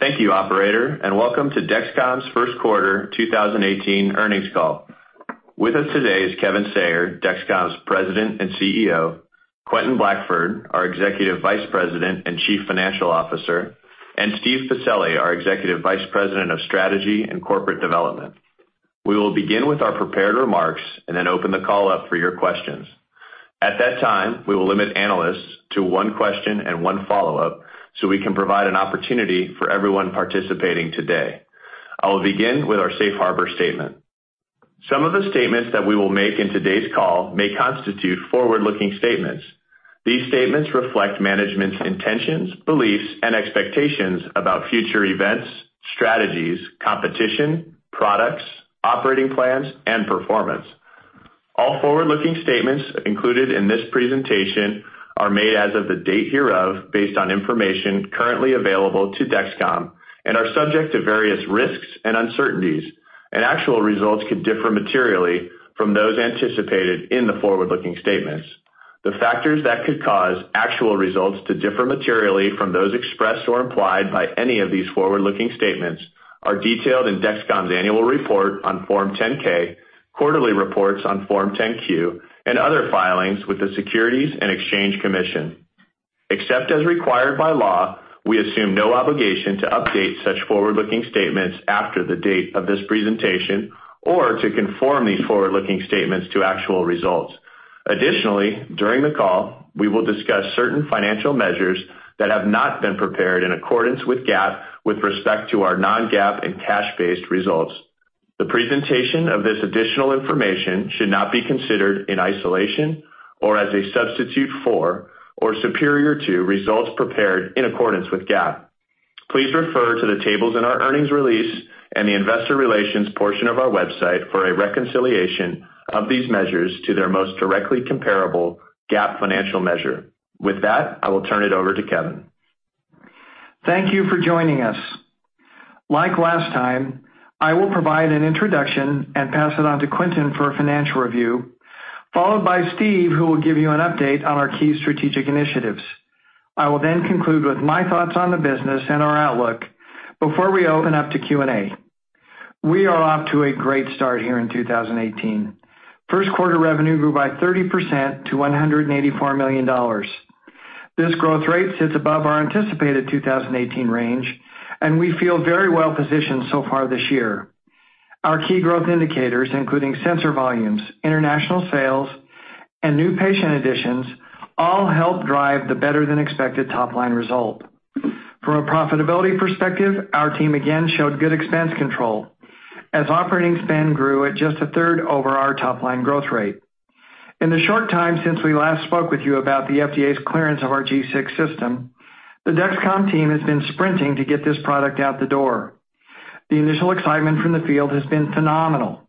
Thank you, Operator, and welcome to Dexcom's first quarter 2018 earnings call. With us today is Kevin Sayer, Dexcom's President and CEO, Quentin Blackford, our Executive Vice President and Chief Financial Officer, and Steve Pacelli, our Executive Vice President of Strategy and Corporate Development. We will begin with our prepared remarks and then open the call up for your questions. At that time, we will limit analysts to one question and one follow-up so we can provide an opportunity for everyone participating today. I will begin with our Safe Harbor statement. Some of the statements that we will make in today's call may constitute forward-looking statements. These statements reflect management's intentions, beliefs, and expectations about future events, strategies, competition, products, operating plans, and performance. All forward-looking statements included in this presentation are made as of the date hereof based on information currently available to Dexcom and are subject to various risks and uncertainties, and actual results could differ materially from those anticipated in the forward-looking statements. The factors that could cause actual results to differ materially from those expressed or implied by any of these forward-looking statements are detailed in Dexcom's Annual Report on Form 10-K, Quarterly Reports on Form 10-Q, and other filings with the Securities and Exchange Commission. Except as required by law, we assume no obligation to update such forward-looking statements after the date of this presentation or to conform these forward-looking statements to actual results. Additionally, during the call, we will discuss certain financial measures that have not been prepared in accordance with GAAP with respect to our non-GAAP and cash-based results. The presentation of this additional information should not be considered in isolation or as a substitute for or superior to results prepared in accordance with GAAP. Please refer to the tables in our earnings release and the investor relations portion of our website for a reconciliation of these measures to their most directly comparable GAAP financial measure. With that, I will turn it over to Kevin. Thank you for joining us. Like last time, I will provide an introduction and pass it on to Quentin for financial review, followed by Steve, who will give you an update on our key strategic initiatives. I will then conclude with my thoughts on the business and our outlook before we open up to Q&A. We are off to a great start here in 2018. First quarter revenue grew by 30% to $184 million. This growth rate sits above our anticipated 2018 range, and we feel very well positioned so far this year. Our key growth indicators, including sensor volumes, international sales, and new patient additions, all help drive the better-than-expected top-line result. From a profitability perspective, our team again showed good expense control as operating spend grew at just a third over our top-line growth rate. In the short time since we last spoke with you about the FDA's clearance of our G6 system, the Dexcom team has been sprinting to get this product out the door. The initial excitement from the field has been phenomenal.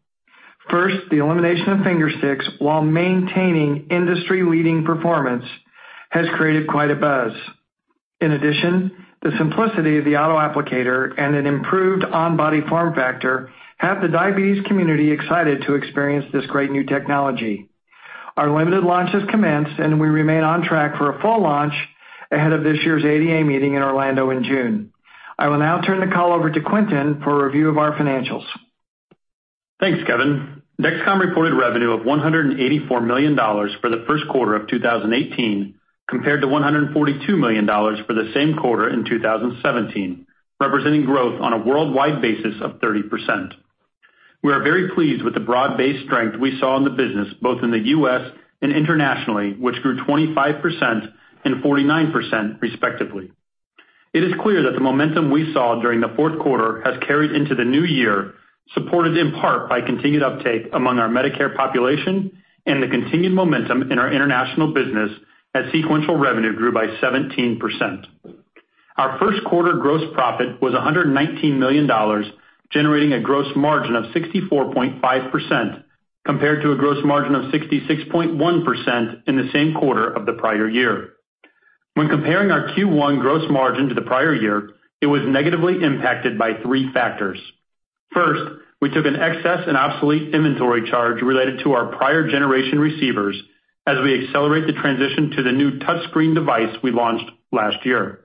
First, the elimination of finger sticks while maintaining industry-leading performance has created quite a buzz. In addition, the simplicity of the auto applicator and an improved on-body form factor have the diabetes community excited to experience this great new technology. Our limited launch has commenced, and we remain on track for a full launch ahead of this year's ADA meeting in Orlando in June. I will now turn the call over to Quentin for a review of our financials. Thanks, Kevin. Dexcom reported revenue of $184 million for the first quarter of 2018 compared to $142 million for the same quarter in 2017, representing growth on a worldwide basis of 30%. We are very pleased with the broad-based strength we saw in the business both in the U.S. and internationally, which grew 25% and 49%, respectively. It is clear that the momentum we saw during the fourth quarter has carried into the new year, supported in part by continued uptake among our Medicare population and the continued momentum in our international business as sequential revenue grew by 17%. Our first quarter gross profit was $119 million, generating a gross margin of 64.5% compared to a gross margin of 66.1% in the same quarter of the prior year. When comparing our Q1 gross margin to the prior year, it was negatively impacted by three factors. First, we took an excess and obsolete inventory charge related to our prior generation receivers as we accelerate the transition to the new touchscreen device we launched last year.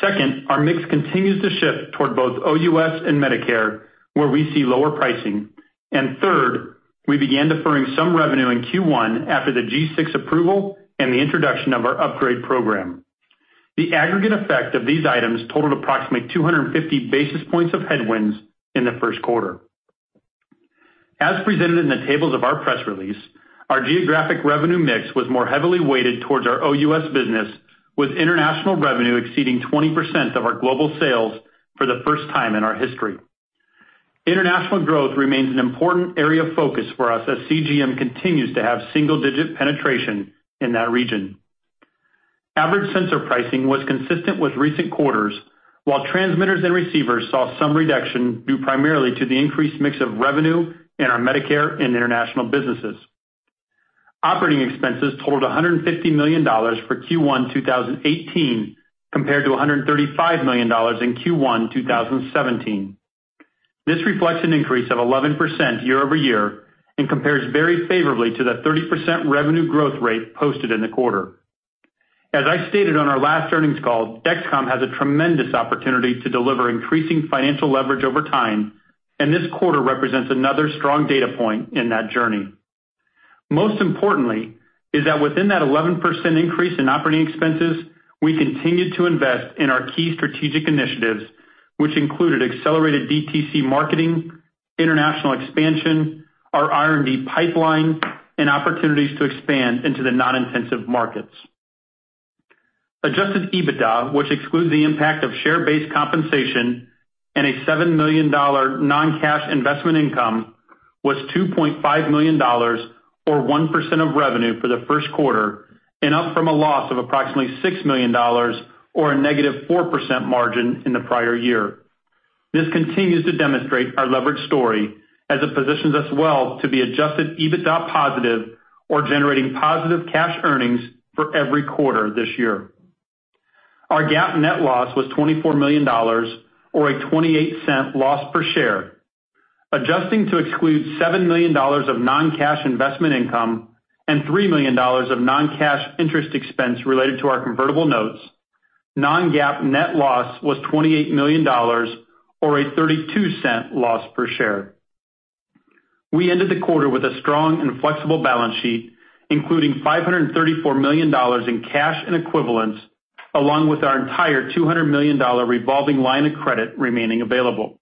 Second, our mix continues to shift toward both OUS and Medicare, where we see lower pricing. And third, we began deferring some revenue in Q1 after the G6 approval and the introduction of our upgrade program. The aggregate effect of these items totaled approximately 250 basis points of headwinds in the first quarter. As presented in the tables of our press release, our geographic revenue mix was more heavily weighted towards our OUS business, with international revenue exceeding 20% of our global sales for the first time in our history. International growth remains an important area of focus for us as CGM continues to have single-digit penetration in that region. Average sensor pricing was consistent with recent quarters, while transmitters and receivers saw some reduction due primarily to the increased mix of revenue in our Medicare and international businesses. Operating expenses totaled $150 million for Q1 2018 compared to $135 million in Q1 2017. This reflects an increase of 11% year-over-year and compares very favorably to the 30% revenue growth rate posted in the quarter. As I stated on our last earnings call, Dexcom has a tremendous opportunity to deliver increasing financial leverage over time, and this quarter represents another strong data point in that journey. Most importantly is that within that 11% increase in operating expenses, we continued to invest in our key strategic initiatives, which included accelerated DTC marketing, international expansion, our R&D pipeline, and opportunities to expand into the non-intensive markets. Adjusted EBITDA, which excludes the impact of share-based compensation and a $7 million non-cash investment income, was $2.5 million or 1% of revenue for the first quarter and up from a loss of approximately $6 million or a negative 4% margin in the prior year. This continues to demonstrate our leverage story as it positions us well to be Adjusted EBITDA positive or generating positive cash earnings for every quarter this year. Our GAAP net loss was $24 million or a $0.28 loss per share. Adjusting to exclude $7 million of non-cash investment income and $3 million of non-cash interest expense related to our convertible notes, non-GAAP net loss was $28 million or a $0.32 loss per share. We ended the quarter with a strong and flexible balance sheet, including $534 million in cash and equivalents, along with our entire $200 million revolving line of credit remaining available.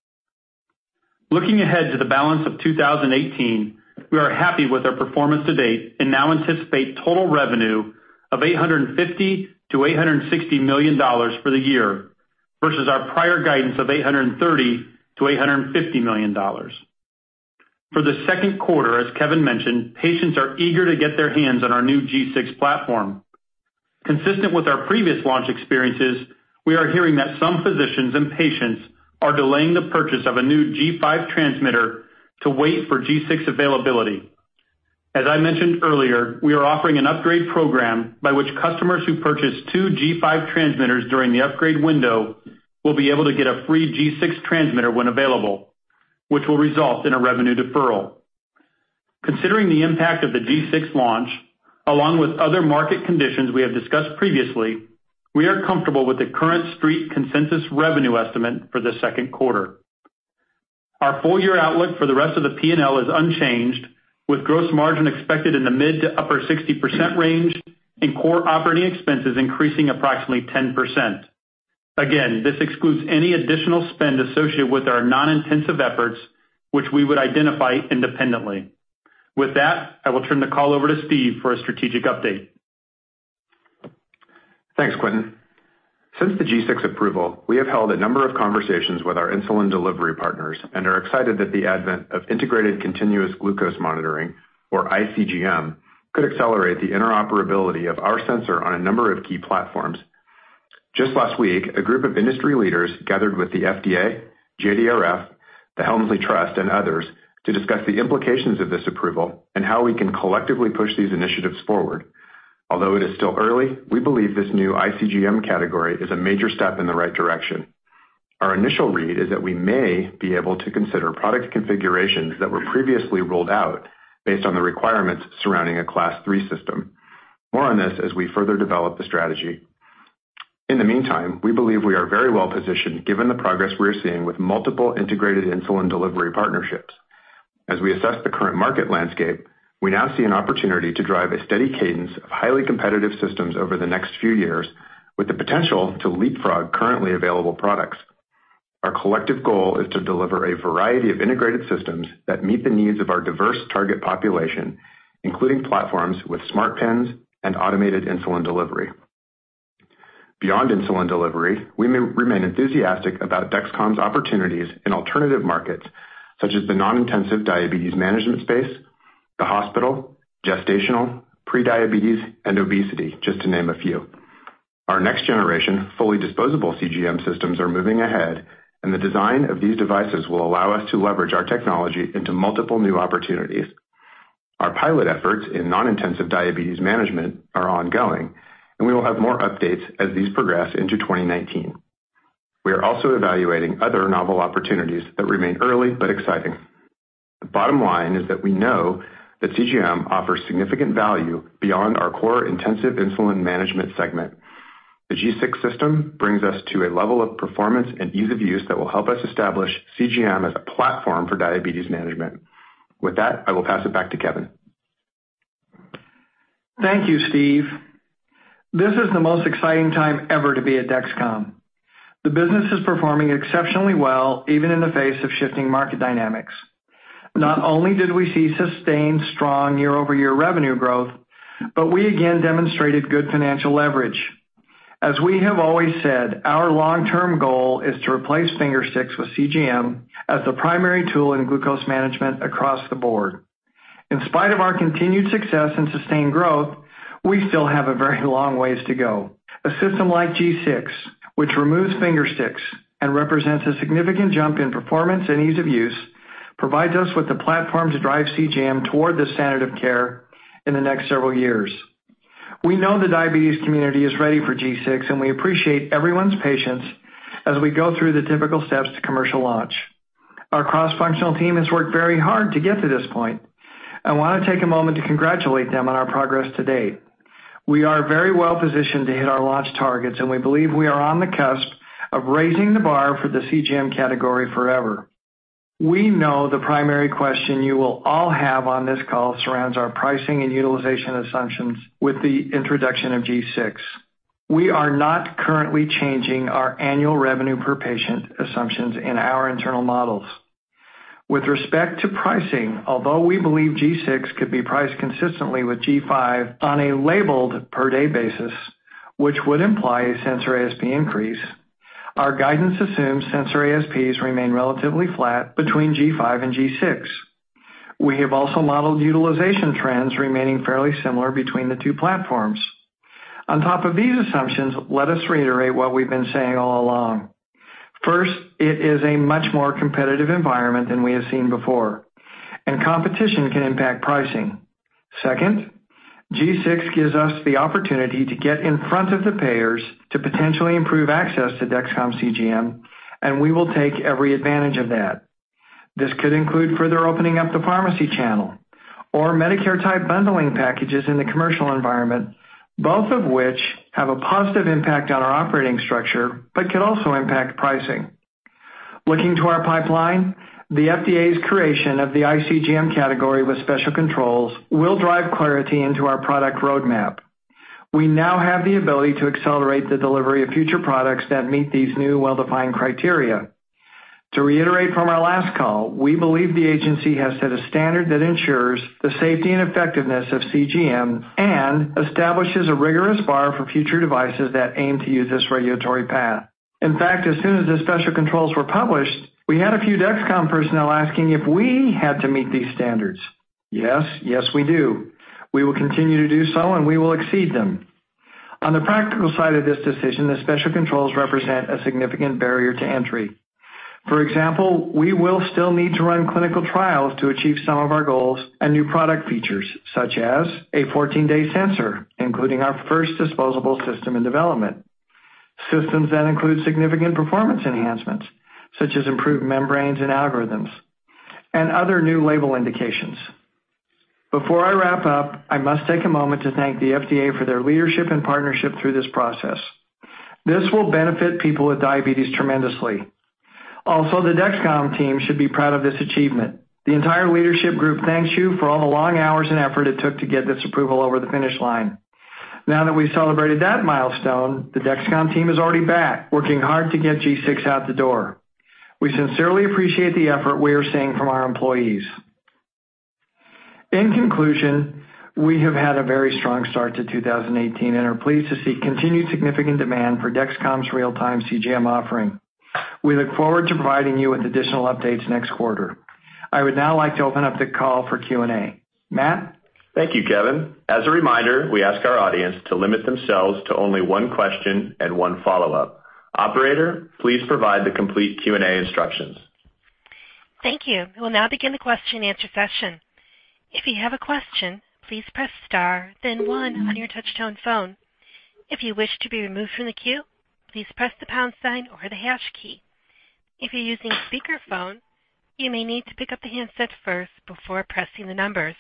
Looking ahead to the balance of 2018, we are happy with our performance to date and now anticipate total revenue of $850-$860 million for the year versus our prior guidance of $830-$850 million. For the second quarter, as Kevin mentioned, patients are eager to get their hands on our new G6 platform. Consistent with our previous launch experiences, we are hearing that some physicians and patients are delaying the purchase of a new G5 transmitter to wait for G6 availability. As I mentioned earlier, we are offering an upgrade program by which customers who purchase two G5 transmitters during the upgrade window will be able to get a free G6 transmitter when available, which will result in a revenue deferral. Considering the impact of the G6 launch, along with other market conditions we have discussed previously, we are comfortable with the current Street consensus revenue estimate for the second quarter. Our full-year outlook for the rest of the P&L is unchanged, with gross margin expected in the mid- to upper-60% range and core operating expenses increasing approximately 10%. Again, this excludes any additional spend associated with our non-intensive efforts, which we would identify independently. With that, I will turn the call over to Steve for a strategic update. Thanks, Quentin. Since the G6 approval, we have held a number of conversations with our insulin delivery partners and are excited that the advent of Integrated Continuous Glucose Monitoring, or ICGM, could accelerate the interoperability of our sensor on a number of key platforms. Just last week, a group of industry leaders gathered with the FDA, JDRF, The Helmsley Trust, and others to discuss the implications of this approval and how we can collectively push these initiatives forward. Although it is still early, we believe this new ICGM category is a major step in the right direction. Our initial read is that we may be able to consider product configurations that were previously ruled out based on the requirements surrounding a Class III system. More on this as we further develop the strategy. In the meantime, we believe we are very well positioned given the progress we are seeing with multiple integrated insulin delivery partnerships. As we assess the current market landscape, we now see an opportunity to drive a steady cadence of highly competitive systems over the next few years with the potential to leapfrog currently available products. Our collective goal is to deliver a variety of integrated systems that meet the needs of our diverse target population, including platforms with smart pens and automated insulin delivery. Beyond insulin delivery, we remain enthusiastic about Dexcom's opportunities in alternative markets such as the non-intensive diabetes management space, the hospital, gestational, prediabetes, and obesity, just to name a few. Our next generation fully disposable CGM systems are moving ahead, and the design of these devices will allow us to leverage our technology into multiple new opportunities. Our pilot efforts in non-intensive diabetes management are ongoing, and we will have more updates as these progress into 2019. We are also evaluating other novel opportunities that remain early but exciting. The bottom line is that we know that CGM offers significant value beyond our core intensive insulin management segment. The G6 system brings us to a level of performance and ease of use that will help us establish CGM as a platform for diabetes management. With that, I will pass it back to Kevin. Thank you, Steve. This is the most exciting time ever to be at Dexcom. The business is performing exceptionally well even in the face of shifting market dynamics. Not only did we see sustained strong year-over-year revenue growth, but we again demonstrated good financial leverage. As we have always said, our long-term goal is to replace finger sticks with CGM as the primary tool in glucose management across the board. In spite of our continued success and sustained growth, we still have a very long ways to go. A system like G6, which removes finger sticks and represents a significant jump in performance and ease of use, provides us with the platform to drive CGM toward the standard of care in the next several years. We know the diabetes community is ready for G6, and we appreciate everyone's patience as we go through the typical steps to commercial launch. Our cross-functional team has worked very hard to get to this point. I want to take a moment to congratulate them on our progress to date. We are very well positioned to hit our launch targets, and we believe we are on the cusp of raising the bar for the CGM category forever. We know the primary question you will all have on this call surrounds our pricing and utilization assumptions with the introduction of G6. We are not currently changing our annual revenue per patient assumptions in our internal models. With respect to pricing, although we believe G6 could be priced consistently with G5 on a labeled per-day basis, which would imply a sensor ASP increase, our guidance assumes sensor ASPs remain relatively flat between G5 and G6. We have also modeled utilization trends remaining fairly similar between the two platforms. On top of these assumptions, let us reiterate what we've been saying all along. First, it is a much more competitive environment than we have seen before, and competition can impact pricing. Second, G6 gives us the opportunity to get in front of the payers to potentially improve access to Dexcom CGM, and we will take every advantage of that. This could include further opening up the pharmacy channel or Medicare-type bundling packages in the commercial environment, both of which have a positive impact on our operating structure but could also impact pricing. Looking to our pipeline, the FDA's creation of the ICGM category with special controls will drive clarity into our product roadmap. We now have the ability to accelerate the delivery of future products that meet these new well-defined criteria. To reiterate from our last call, we believe the agency has set a standard that ensures the safety and effectiveness of CGM and establishes a rigorous bar for future devices that aim to use this regulatory path. In fact, as soon as the special controls were published, we had a few Dexcom personnel asking if we had to meet these standards. Yes, yes, we do. We will continue to do so, and we will exceed them. On the practical side of this decision, the special controls represent a significant barrier to entry. For example, we will still need to run clinical trials to achieve some of our goals and new product features such as a 14-day sensor, including our first disposable system in development. Systems that include significant performance enhancements such as improved membranes and algorithms and other new label indications. Before I wrap up, I must take a moment to thank the FDA for their leadership and partnership through this process. This will benefit people with diabetes tremendously. Also, the Dexcom team should be proud of this achievement. The entire leadership group thanks you for all the long hours and effort it took to get this approval over the finish line. Now that we've celebrated that milestone, the Dexcom team is already back working hard to get G6 out the door. We sincerely appreciate the effort we are seeing from our employees. In conclusion, we have had a very strong start to 2018 and are pleased to see continued significant demand for Dexcom's real-time CGM offering. We look forward to providing you with additional updates next quarter. I would now like to open up the call for Q&A. Matt? Thank you, Kevin. As a reminder, we ask our audience to limit themselves to only one question and one follow-up. Operator, please provide the complete Q&A instructions. Thank you. We'll now begin the question-and-answer session. If you have a question, please press star, then one on your touch-tone phone. If you wish to be removed from the queue, please press the pound sign or the hash key. If you're using a speakerphone, you may need to pick up the handset first before pressing the numbers.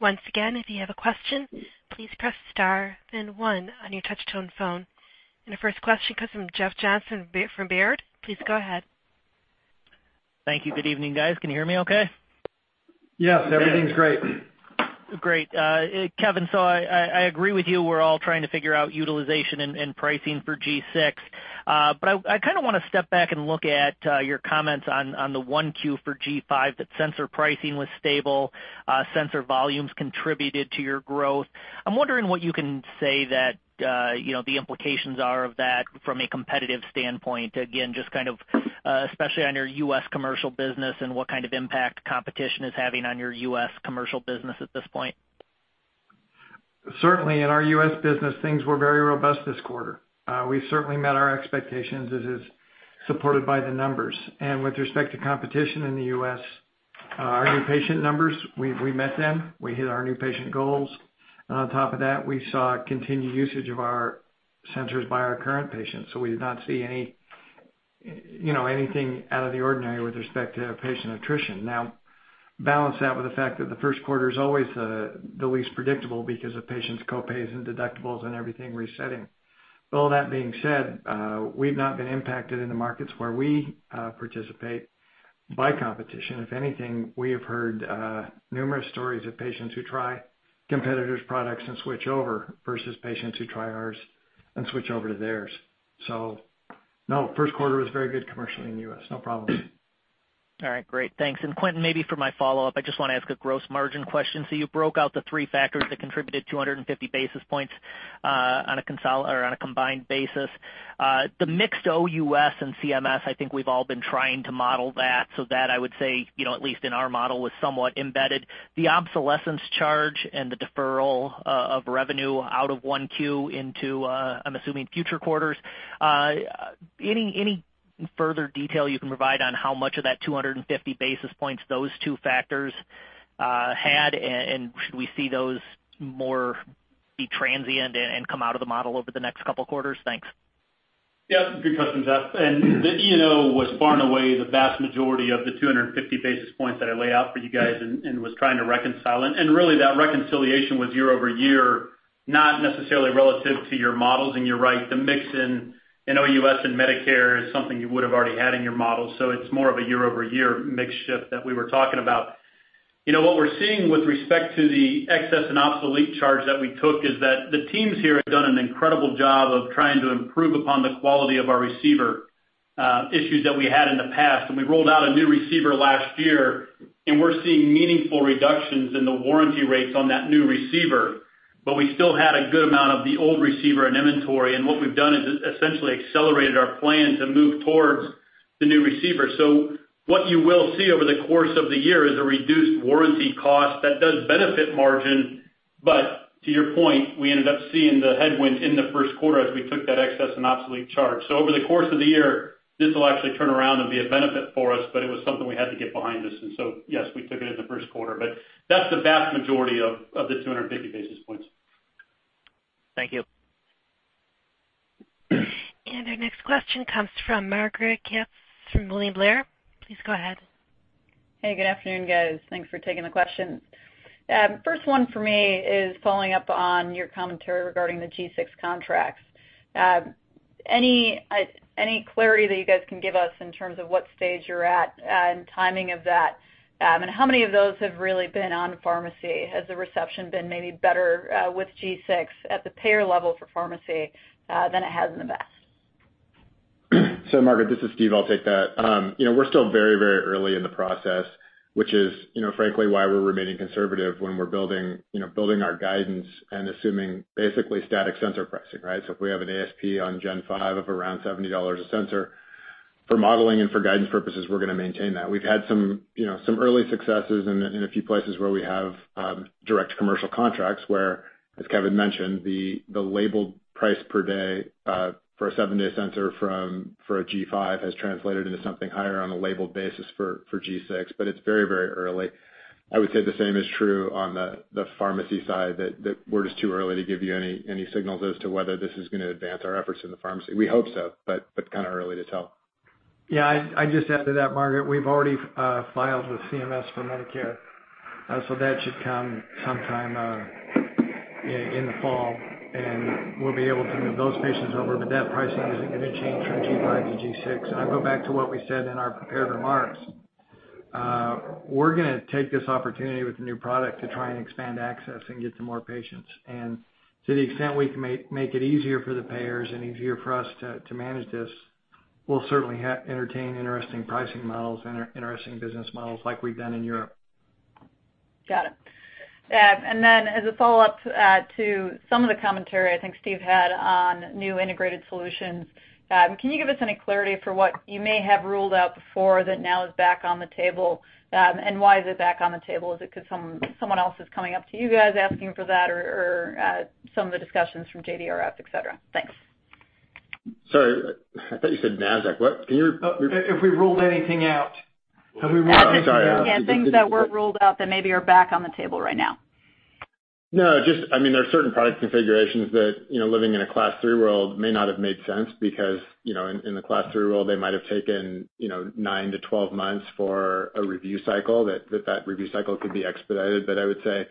Once again, if you have a question, please press star, then one on your touch-tone phone. And our first question comes from Jeff Johnson from Baird. Please go ahead. Thank you. Good evening, guys. Can you hear me okay? Yes, everything's great. Great. Kevin, so I agree with you. We're all trying to figure out utilization and pricing for G6. But I kind of want to step back and look at your comments on the Q1 for G5 that sensor pricing was stable, sensor volumes contributed to your growth. I'm wondering what you can say that the implications are of that from a competitive standpoint. Again, just kind of especially on your US commercial business and what kind of impact competition is having on your US commercial business at this point. Certainly, in our U.S. business, things were very robust this quarter. We certainly met our expectations as is supported by the numbers. And with respect to competition in the U.S., our new patient numbers, we met them. We hit our new patient goals. And on top of that, we saw continued usage of our sensors by our current patients. So we did not see anything out of the ordinary with respect to patient attrition. Now, balance that with the fact that the first quarter is always the least predictable because of patients' copays and deductibles and everything resetting. But all that being said, we've not been impacted in the markets where we participate by competition. If anything, we have heard numerous stories of patients who try competitors' products and switch over versus patients who try ours and switch over to theirs. So no, first quarter was very good commercially in the U.S. No problem. All right. Great. Thanks. And Quentin, maybe for my follow-up, I just want to ask a gross margin question. So you broke out the three factors that contributed 250 basis points on a combined basis. The mix OUS and CMS, I think we've all been trying to model that. So that, I would say, at least in our model, was somewhat embedded. The obsolescence charge and the deferral of revenue out of Q1 into, I'm assuming, future quarters. Any further detail you can provide on how much of that 250 basis points those two factors had? And should we see those more be transient and come out of the model over the next couple of quarters? Thanks. Yeah, good question, Jeff. And the E&O was barring away the vast majority of the 250 basis points that I laid out for you guys and was trying to reconcile. And really, that reconciliation was year-over-year, not necessarily relative to your models. And you're right, the mix in OUS and Medicare is something you would have already had in your models. So it's more of a year-over-year mix shift that we were talking about. What we're seeing with respect to the excess and obsolete charge that we took is that the teams here have done an incredible job of trying to improve upon the quality of our receiver issues that we had in the past. And we rolled out a new receiver last year, and we're seeing meaningful reductions in the warranty rates on that new receiver. But we still had a good amount of the old receiver in inventory. And what we've done is essentially accelerated our plan to move towards the new receiver. So what you will see over the course of the year is a reduced warranty cost that does benefit margin. But to your point, we ended up seeing the headwind in the first quarter as we took that excess and obsolete charge. So over the course of the year, this will actually turn around and be a benefit for us, but it was something we had to get behind us. And so, yes, we took it in the first quarter. But that's the vast majority of the 250 basis points. Thank you. Our next question comes from Margaret Kaczor from William Blair. Please go ahead. Hey, good afternoon, guys. Thanks for taking the question. First one for me is following up on your commentary regarding the G6 contracts. Any clarity that you guys can give us in terms of what stage you're at and timing of that? And how many of those have really been on pharmacy? Has the reception been maybe better with G6 at the payer level for pharmacy than it has in the past? So Margaret, this is Steve. I'll take that. We're still very, very early in the process, which is frankly why we're remaining conservative when we're building our guidance and assuming basically static sensor pricing, right? So if we have an ASP on G5 of around $70 a sensor for modeling and for guidance purposes, we're going to maintain that. We've had some early successes in a few places where we have direct commercial contracts where, as Kevin mentioned, the labeled price per day for a seven-day sensor for a G5 has translated into something higher on a labeled basis for G6. But it's very, very early. I would say the same is true on the pharmacy side that we're just too early to give you any signals as to whether this is going to advance our efforts in the pharmacy. We hope so, but kind of early to tell. Yeah, I just add to that, Margaret. We've already filed with CMS for Medicare. So that should come sometime in the fall, and we'll be able to move those patients over. But that pricing isn't going to change from G5 to G6. And I go back to what we said in our prepared remarks. We're going to take this opportunity with the new product to try and expand access and get to more patients. And to the extent we can make it easier for the payers and easier for us to manage this, we'll certainly entertain interesting pricing models and interesting business models like we've done in Europe. Got it. And then as a follow-up to some of the commentary I think Steve had on new integrated solutions, can you give us any clarity for what you may have ruled out before that now is back on the table? And why is it back on the table? Is it because someone else is coming up to you guys asking for that or some of the discussions from JDRF, etc.? Thanks. Sorry, I thought you said NASDAQ. What? Can you repeat? If we ruled anything out, have we ruled anything out? I'm sorry. Yeah, things that were ruled out that maybe are back on the table right now. No, just I mean, there are certain product configurations that living in a Class III world may not have made sense because in the Class III world, they might have taken nine to 12 months for a review cycle, that review cycle could be expedited. But I would say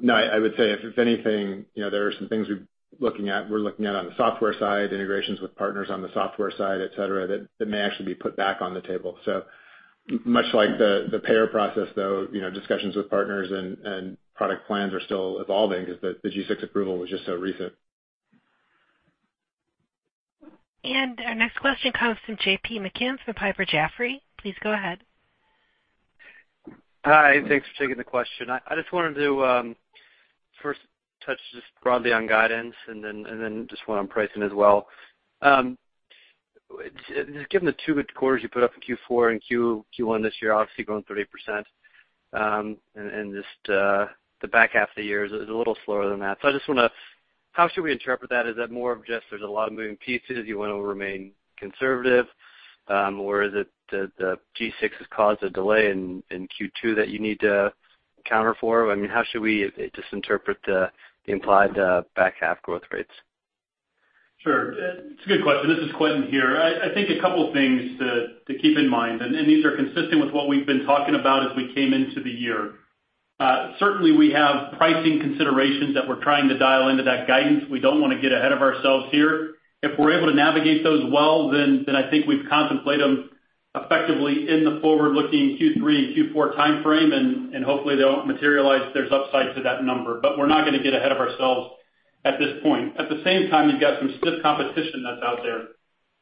no, I would say if anything, there are some things we're looking at on the software side, integrations with partners on the software side, etc., that may actually be put back on the table. So much like the payer process, though, discussions with partners and product plans are still evolving because the G6 approval was just so recent. Our next question comes from J.P. McKim from Piper Jaffray. Please go ahead. Hi, thanks for taking the question. I just wanted to first touch just broadly on guidance and then just one on pricing as well. Just given the two quarters you put up in Q4 and Q1 this year, obviously growing 30%, and just the back half of the year is a little slower than that, so I just want to know how should we interpret that? Is that more of just there's a lot of moving pieces? You want to remain conservative? Or is it that the G6 has caused a delay in Q2 that you need to account for? I mean, how should we just interpret the implied back half growth rates? Sure. It's a good question. This is Quentin here. I think a couple of things to keep in mind. And these are consistent with what we've been talking about as we came into the year. Certainly, we have pricing considerations that we're trying to dial into that guidance. We don't want to get ahead of ourselves here. If we're able to navigate those well, then I think we've contemplated them effectively in the forward-looking Q3 and Q4 timeframe. And hopefully, they'll materialize, there's upside to that number. But we're not going to get ahead of ourselves at this point. At the same time, you've got some stiff competition that's out there.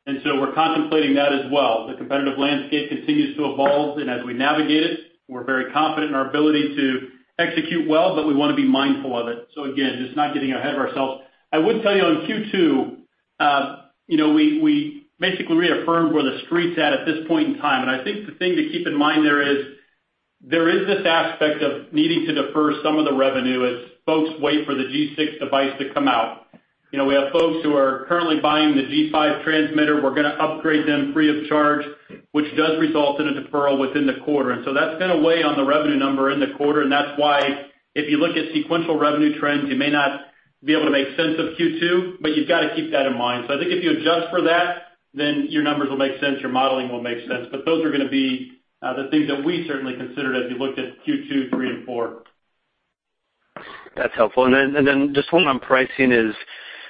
And so we're contemplating that as well. The competitive landscape continues to evolve. And as we navigate it, we're very confident in our ability to execute well, but we want to be mindful of it. So again, just not getting ahead of ourselves. I would tell you on Q2, we basically reaffirmed where the Street's at at this point in time. And I think the thing to keep in mind there is this aspect of needing to defer some of the revenue as folks wait for the G6 device to come out. We have folks who are currently buying the G5 transmitter. We're going to upgrade them free of charge, which does result in a deferral within the quarter. And so that's going to weigh on the revenue number in the quarter. And that's why if you look at sequential revenue trends, you may not be able to make sense of Q2, but you've got to keep that in mind. So I think if you adjust for that, then your numbers will make sense. Your modeling will make sense. But those are going to be the things that we certainly considered as you looked at Q2, 3, and 4. That's helpful. And then just one on pricing is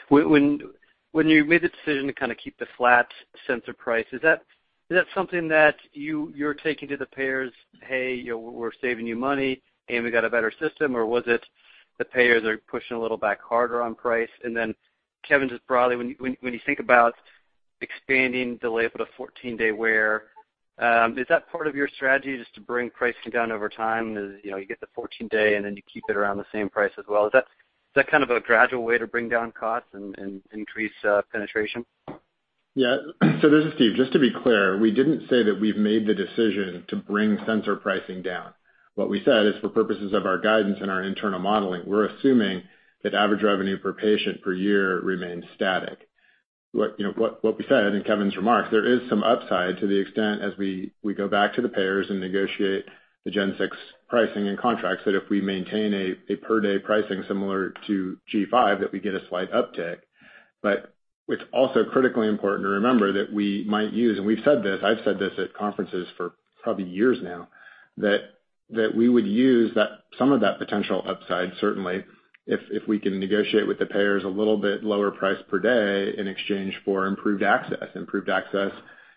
when you made the decision to kind of keep the flat sensor price, is that something that you're taking to the payers? Hey, we're saving you money. Hey, we got a better system. Or was it the payers are pushing a little back harder on price? And then Kevin just broadly, when you think about expanding the label to 14-day wear, is that part of your strategy just to bring pricing down over time? You get the 14-day, and then you keep it around the same price as well. Is that kind of a gradual way to bring down costs and increase penetration? Yeah. So this is Steve. Just to be clear, we didn't say that we've made the decision to bring sensor pricing down. What we said is for purposes of our guidance and our internal modeling, we're assuming that average revenue per patient per year remains static. What we said in Kevin's remarks, there is some upside to the extent as we go back to the payers and negotiate the G6 pricing and contracts that if we maintain a per-day pricing similar to G5, that we get a slight uptick. But it's also critically important to remember that we might use, and we've said this, I've said this at conferences for probably years now, that we would use some of that potential upside, certainly, if we can negotiate with the payers a little bit lower price per day in exchange for improved access. Improved access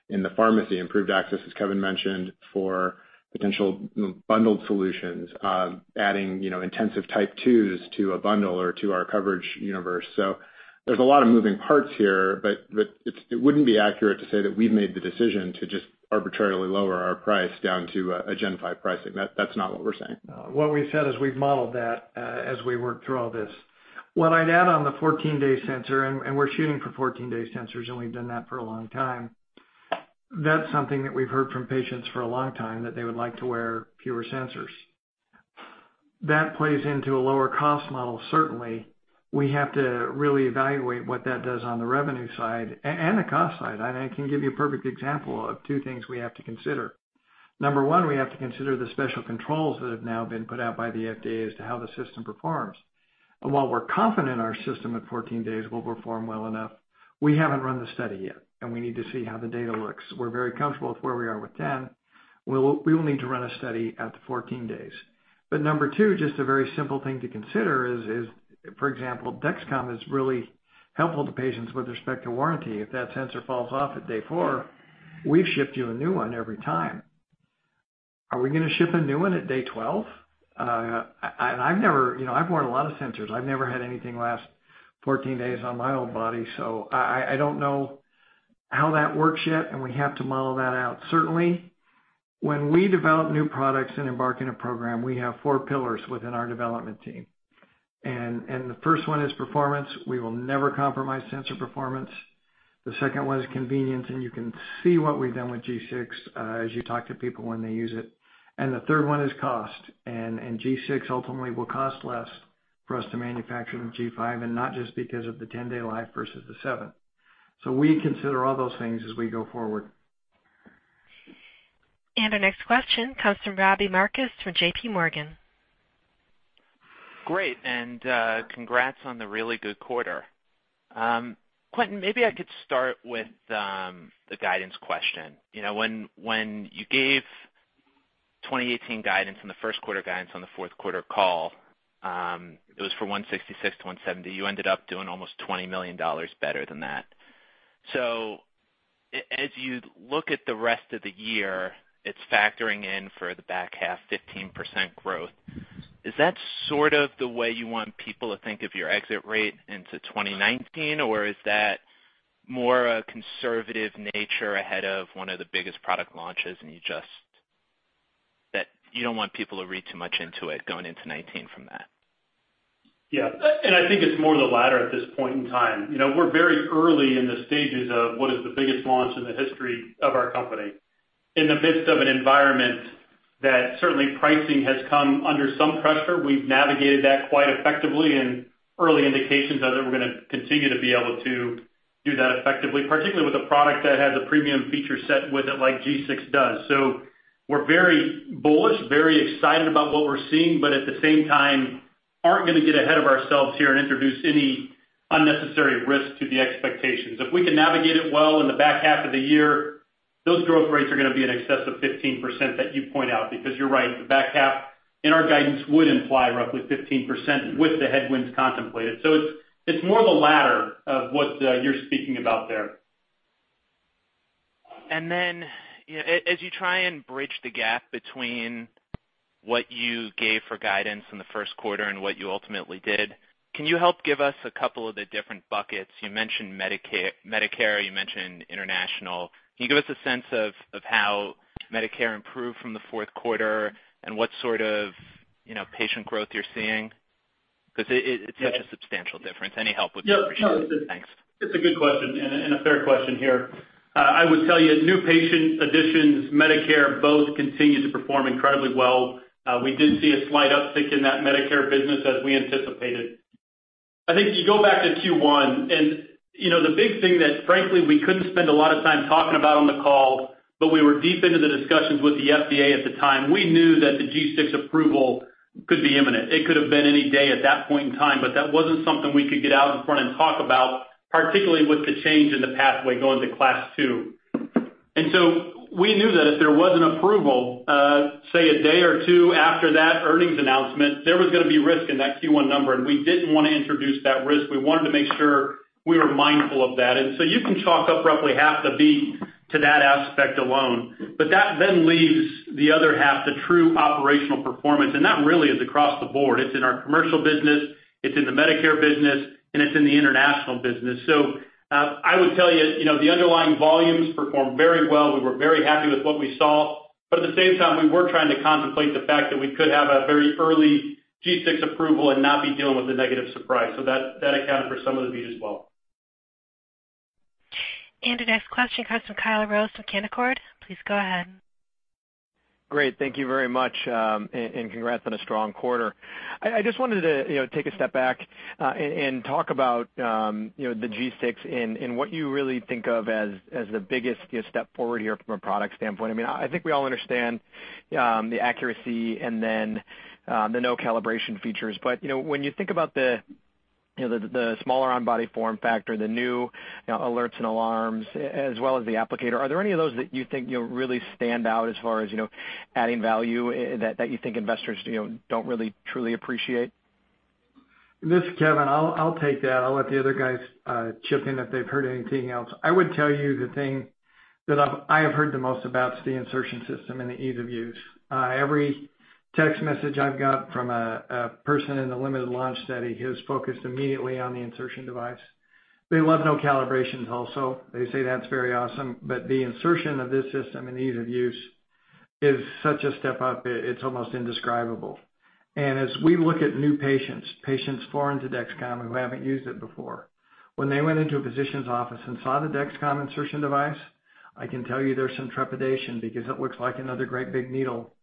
in the pharmacy, improved access, as Kevin mentioned, for potential bundled solutions, adding intensive Type 2s to a bundle or to our coverage universe. So there's a lot of moving parts here, but it wouldn't be accurate to say that we've made the decision to just arbitrarily lower our price down to a G5 pricing. That's not what we're saying. What we've said is we've modeled that as we work through all this. What I'd add on the 14-day sensor, and we're shooting for 14-day sensors, and we've done that for a long time. That's something that we've heard from patients for a long time that they would like to wear fewer sensors. That plays into a lower cost model, certainly. We have to really evaluate what that does on the revenue side and the cost side. And I can give you a perfect example of two things we have to consider. Number one, we have to consider the special controls that have now been put out by the FDA as to how the system performs. And while we're confident our system at 14 days will perform well enough, we haven't run the study yet, and we need to see how the data looks. We're very comfortable with where we are with 10. We will need to run a study at 14 days, but number two, just a very simple thing to consider is, for example, Dexcom is really helpful to patients with respect to warranty. If that sensor falls off at day four, we've shipped you a new one every time. Are we going to ship a new one at day 12, and I've worn a lot of sensors. I've never had anything last 14 days on my old body, so I don't know how that works yet, and we have to model that out. Certainly, when we develop new products and embark on a program, we have four pillars within our development team, and the first one is performance. We will never compromise sensor performance. The second one is convenience, and you can see what we've done with G6 as you talk to people when they use it. And the third one is cost. And G6 ultimately will cost less for us to manufacture than G5, and not just because of the 10-day life versus the seven. So we consider all those things as we go forward. Our next question comes from Robbie Marcus from J.P. Morgan. Great. And congrats on the really good quarter. Quentin, maybe I could start with the guidance question. When you gave 2018 guidance and the first quarter guidance on the fourth quarter call, it was for $166 million-$170 million. You ended up doing almost $20 million better than that. So as you look at the rest of the year, it's factoring in for the back half 15% growth. Is that sort of the way you want people to think of your exit rate into 2019? Or is that more a conservative nature ahead of one of the biggest product launches and you don't want people to read too much into it going into 2019 from that? Yeah. And I think it's more the latter at this point in time. We're very early in the stages of what is the biggest launch in the history of our company in the midst of an environment that certainly pricing has come under some pressure. We've navigated that quite effectively and early indications that we're going to continue to be able to do that effectively, particularly with a product that has a premium feature set with it like G6 does. So we're very bullish, very excited about what we're seeing, but at the same time, aren't going to get ahead of ourselves here and introduce any unnecessary risk to the expectations. If we can navigate it well in the back half of the year, those growth rates are going to be in excess of 15% that you point out because you're right. The back half in our guidance would imply roughly 15% with the headwinds contemplated. So it's more the latter of what you're speaking about there. Then as you try and bridge the gap between what you gave for guidance in the first quarter and what you ultimately did, can you help give us a couple of the different buckets? You mentioned Medicare. You mentioned international. Can you give us a sense of how Medicare improved from the fourth quarter and what sort of patient growth you're seeing? Because it's such a substantial difference. Any help would be appreciated. Yeah. It's a good question and a fair question here. I would tell you new patient additions, Medicare both continue to perform incredibly well. We did see a slight uptick in that Medicare business as we anticipated. I think you go back to Q1. And the big thing that frankly, we couldn't spend a lot of time talking about on the call, but we were deep into the discussions with the FDA at the time. We knew that the G6 approval could be imminent. It could have been any day at that point in time, but that wasn't something we could get out in front and talk about, particularly with the change in the pathway going to Class II. And so we knew that if there was an approval, say a day or two after that earnings announcement, there was going to be risk in that Q1 number. We didn't want to introduce that risk. We wanted to make sure we were mindful of that. You can chalk up roughly half the beat to that aspect alone. That then leaves the other half, the true operational performance. That really is across the board. It's in our commercial business. It's in the Medicare business. It's in the international business. I would tell you the underlying volumes performed very well. We were very happy with what we saw. At the same time, we were trying to contemplate the fact that we could have a very early G6 approval and not be dealing with a negative surprise. That accounted for some of the beat as well. And our next question comes from Kyle Rose from Canaccord. Please go ahead. Great. Thank you very much. And congrats on a strong quarter. I just wanted to take a step back and talk about the G6 and what you really think of as the biggest step forward here from a product standpoint. I mean, I think we all understand the accuracy and then the no calibration features. But when you think about the smaller on-body form factor, the new alerts and alarms, as well as the applicator, are there any of those that you think really stand out as far as adding value that you think investors don't really truly appreciate? This is Kevin. I'll take that. I'll let the other guys chip in if they've heard anything else. I would tell you the thing that I have heard the most about is the insertion system and the ease of use. Every text message I've got from a person in the limited launch study has focused immediately on the insertion device. They love no calibrations also. They say that's very awesome, but the insertion of this system and ease of use is such a step up. It's almost indescribable, and as we look at new patients, patients foreign to Dexcom who haven't used it before, when they went into a physician's office and saw the Dexcom insertion device, I can tell you there's some trepidation because it looks like another great big needle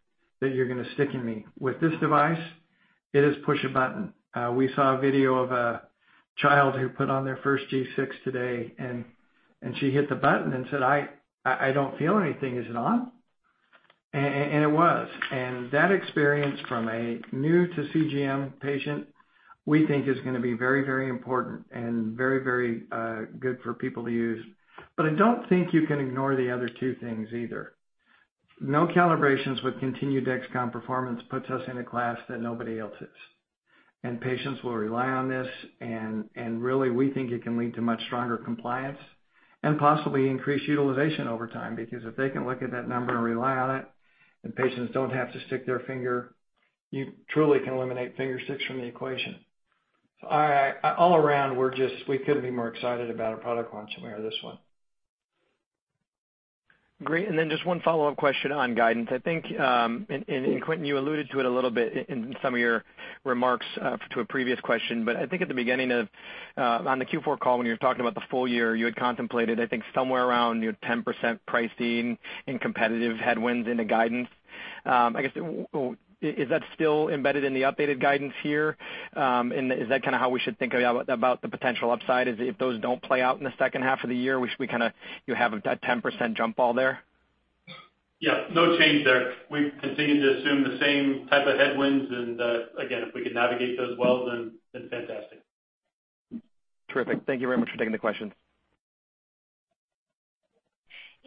that you're going to stick in me. With this device, it is push a button. We saw a video of a child who put on their first G6 today, and she hit the button and said, "I don't feel anything. Is it on?" And it was. And that experience from a new to CGM patient, we think is going to be very, very important and very, very good for people to use. But I don't think you can ignore the other two things either. No calibrations with continued Dexcom performance puts us in a class that nobody else is. And patients will rely on this. And really, we think it can lead to much stronger compliance and possibly increased utilization over time because if they can look at that number and rely on it, and patients don't have to stick their finger, you truly can eliminate fingersticks from the equation. All around, we couldn't be more excited about a product launch than we are this one. Great. And then just one follow-up question on guidance. I think, and Quentin, you alluded to it a little bit in some of your remarks to a previous question, but I think at the beginning of on the Q4 call when you were talking about the full year, you had contemplated, I think, somewhere around 10% pricing and competitive headwinds into guidance. I guess, is that still embedded in the updated guidance here? And is that kind of how we should think about the potential upside? Is it if those don't play out in the second half of the year, we kind of have a 10% jump all there? Yeah. No change there. We continue to assume the same type of headwinds, and again, if we can navigate those well, then fantastic. Terrific. Thank you very much for taking the questions.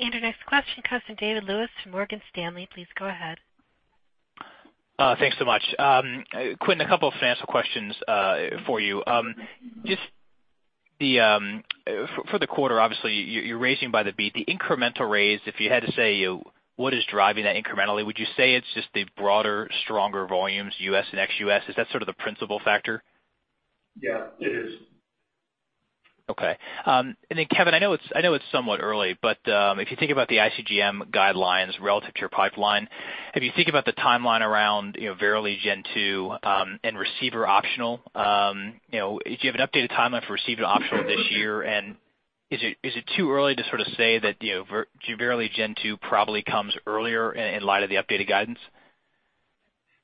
Our next question comes from David Lewis from Morgan Stanley. Please go ahead. Thanks so much. Quentin, a couple of financial questions for you. Just for the quarter, obviously, you're raising by the beat. The incremental raise, if you had to say what is driving that incrementally, would you say it's just the broader, stronger volumes, US and XUS? Is that sort of the principal factor? Yeah. It is. Okay. And then Kevin, I know it's somewhat early, but if you think about the ICGM guidelines relative to your pipeline, if you think about the timeline around Verily Gen 2 and Receiver Optional, do you have an updated timeline for Receiver Optional this year? And is it too early to sort of say that Verily Gen 2 probably comes earlier in light of the updated guidance?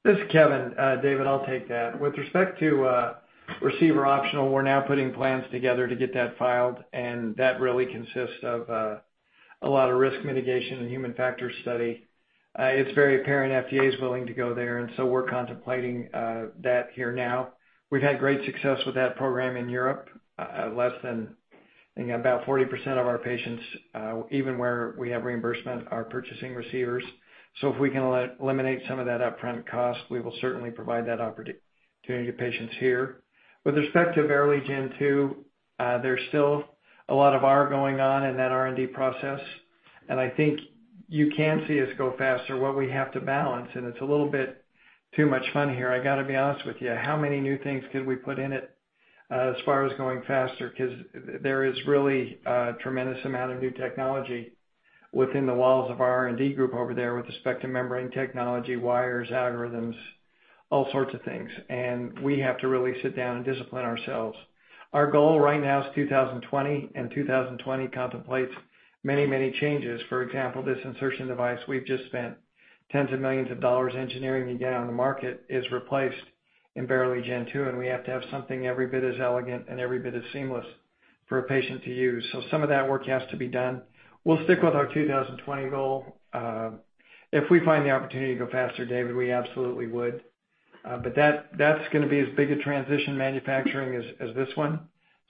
This is Kevin. David, I'll take that. With respect to Receiver Optional, we're now putting plans together to get that filed. That really consists of a lot of risk mitigation and human factor study. It's very apparent FDA is willing to go there. We're contemplating that here now. We've had great success with that program in Europe. Less than about 40% of our patients, even where we have reimbursement, are purchasing receivers. If we can eliminate some of that upfront cost, we will certainly provide that opportunity to patients here. With respect to Verily Gen 2, there's still a lot of R&D going on in that R&D process. I think you can see us go faster. What we have to balance, and it's a little bit too much fun here. I got to be honest with you. How many new things could we put in it as far as going faster? Because there is really a tremendous amount of new technology within the walls of our R&D group over there with the specific membrane technology, wires, algorithms, all sorts of things. And we have to really sit down and discipline ourselves. Our goal right now is 2020. And 2020 contemplates many, many changes. For example, this insertion device we've just spent tens of millions of dollars engineering to get on the market is replaced in Verily Gen 2. And we have to have something every bit as elegant and every bit as seamless for a patient to use. So some of that work has to be done. We'll stick with our 2020 goal. If we find the opportunity to go faster, David, we absolutely would. But that's going to be as big a transition manufacturing as this one.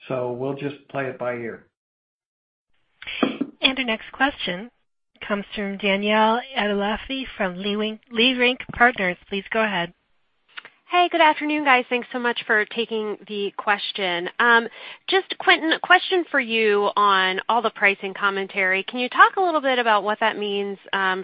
So we'll just play it by ear. And our next question comes from Danielle Antalffy from Leerink Partners. Please go ahead. Hey, good afternoon, guys. Thanks so much for taking the question. Just Quentin, a question for you on all the pricing commentary. Can you talk a little bit about what that means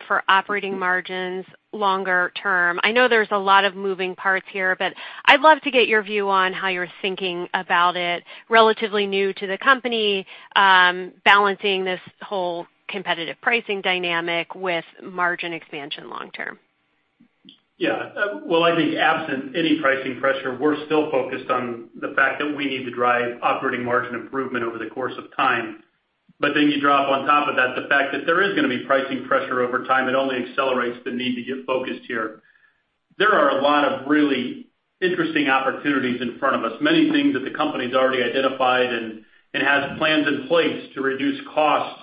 for operating margins longer term? I know there's a lot of moving parts here, but I'd love to get your view on how you're thinking about it relatively new to the company, balancing this whole competitive pricing dynamic with margin expansion long term. Yeah, well, I think absent any pricing pressure, we're still focused on the fact that we need to drive operating margin improvement over the course of time, but then you drop on top of that the fact that there is going to be pricing pressure over time. It only accelerates the need to get focused here. There are a lot of really interesting opportunities in front of us. Many things that the company's already identified and has plans in place to reduce cost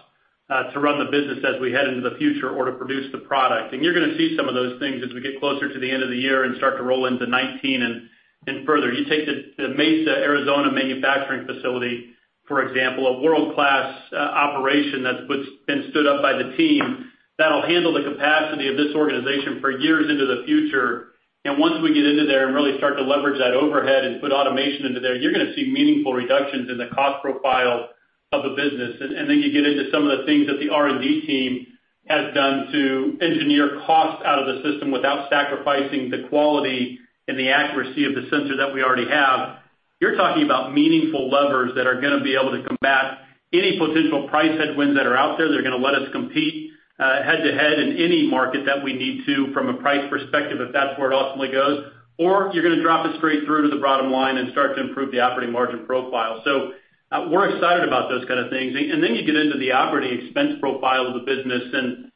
to run the business as we head into the future or to produce the product, and you're going to see some of those things as we get closer to the end of the year and start to roll into 2019 and further. You take the Mesa, Arizona manufacturing facility, for example, a world-class operation that's been stood up by the team that'll handle the capacity of this organization for years into the future. And once we get into there and really start to leverage that overhead and put automation into there, you're going to see meaningful reductions in the cost profile of the business. And then you get into some of the things that the R&D team has done to engineer cost out of the system without sacrificing the quality and the accuracy of the sensor that we already have. You're talking about meaningful levers that are going to be able to combat any potential price headwinds that are out there. They're going to let us compete head-to-head in any market that we need to from a price perspective if that's where it ultimately goes. Or you're going to drop it straight through to the bottom line and start to improve the operating margin profile. So we're excited about those kind of things. And then you get into the operating expense profile of the business. And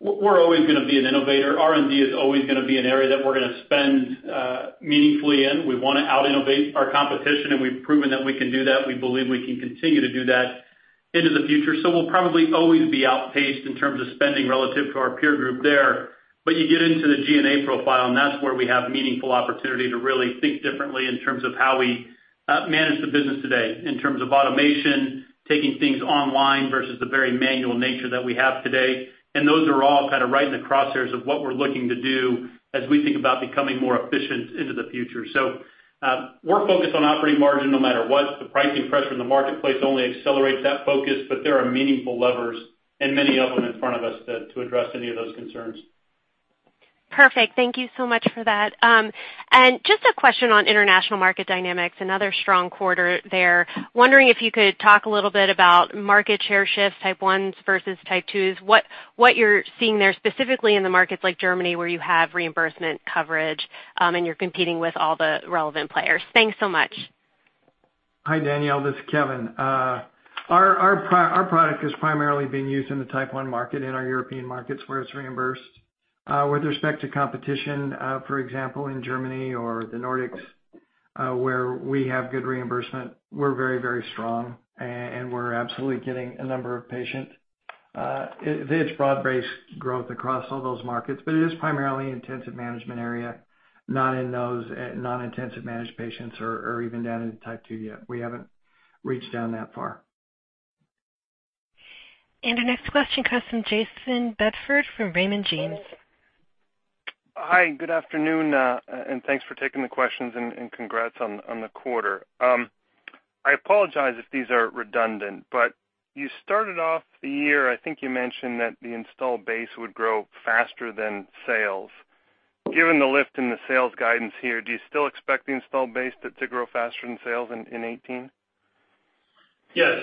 we're always going to be an innovator. R&D is always going to be an area that we're going to spend meaningfully in. We want to out-innovate our competition. And we've proven that we can do that. We believe we can continue to do that into the future. So we'll probably always be outpaced in terms of spending relative to our peer group there. But you get into the G&A profile, and that's where we have meaningful opportunity to really think differently in terms of how we manage the business today in terms of automation, taking things online versus the very manual nature that we have today. Those are all kind of right in the crosshairs of what we're looking to do as we think about becoming more efficient into the future. We're focused on operating margin no matter what. The pricing pressure in the marketplace only accelerates that focus. There are meaningful levers and many of them in front of us to address any of those concerns. Perfect. Thank you so much for that. And just a question on international market dynamics and other strong quarter there. Wondering if you could talk a little bit about market share shifts, type 1s versus type 2s, what you're seeing there specifically in the markets like Germany where you have reimbursement coverage and you're competing with all the relevant players? Thanks so much. Hi, Danielle. This is Kevin. Our product is primarily being used in the type 1 market in our European markets where it's reimbursed. With respect to competition, for example, in Germany or the Nordics where we have good reimbursement, we're very, very strong, and we're absolutely getting a number of patients. It's broad-based growth across all those markets, but it is primarily intensive management area, not in those non-intensive managed patients or even down into type 2 yet. We haven't reached down that far. And our next question comes from Jason Bedford from Raymond James. Hi. Good afternoon, and thanks for taking the questions and congrats on the quarter. I apologize if these are redundant, but you started off the year. I think you mentioned that the installed base would grow faster than sales. Given the lift in the sales guidance here, do you still expect the installed base to grow faster than sales in 2018? Yes,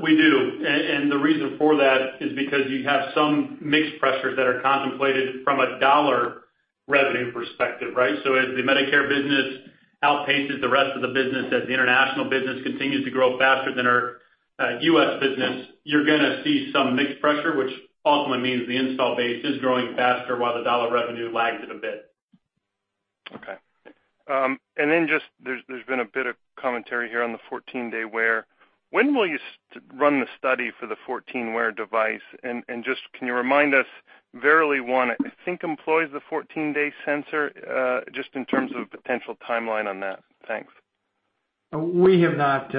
we do. And the reason for that is because you have some mixed pressures that are contemplated from a dollar revenue perspective, right? So as the Medicare business outpaces the rest of the business, as the international business continues to grow faster than our U.S. business, you're going to see some mixed pressure, which ultimately means the installed base is growing faster while the dollar revenue lags it a bit. Okay. And then just there's been a bit of commentary here on the 14-day wear. When will you run the study for the 14-wear device? And just can you remind us, Verily, one, I think employs the 14-day sensor just in terms of potential timeline on that. Thanks. We have not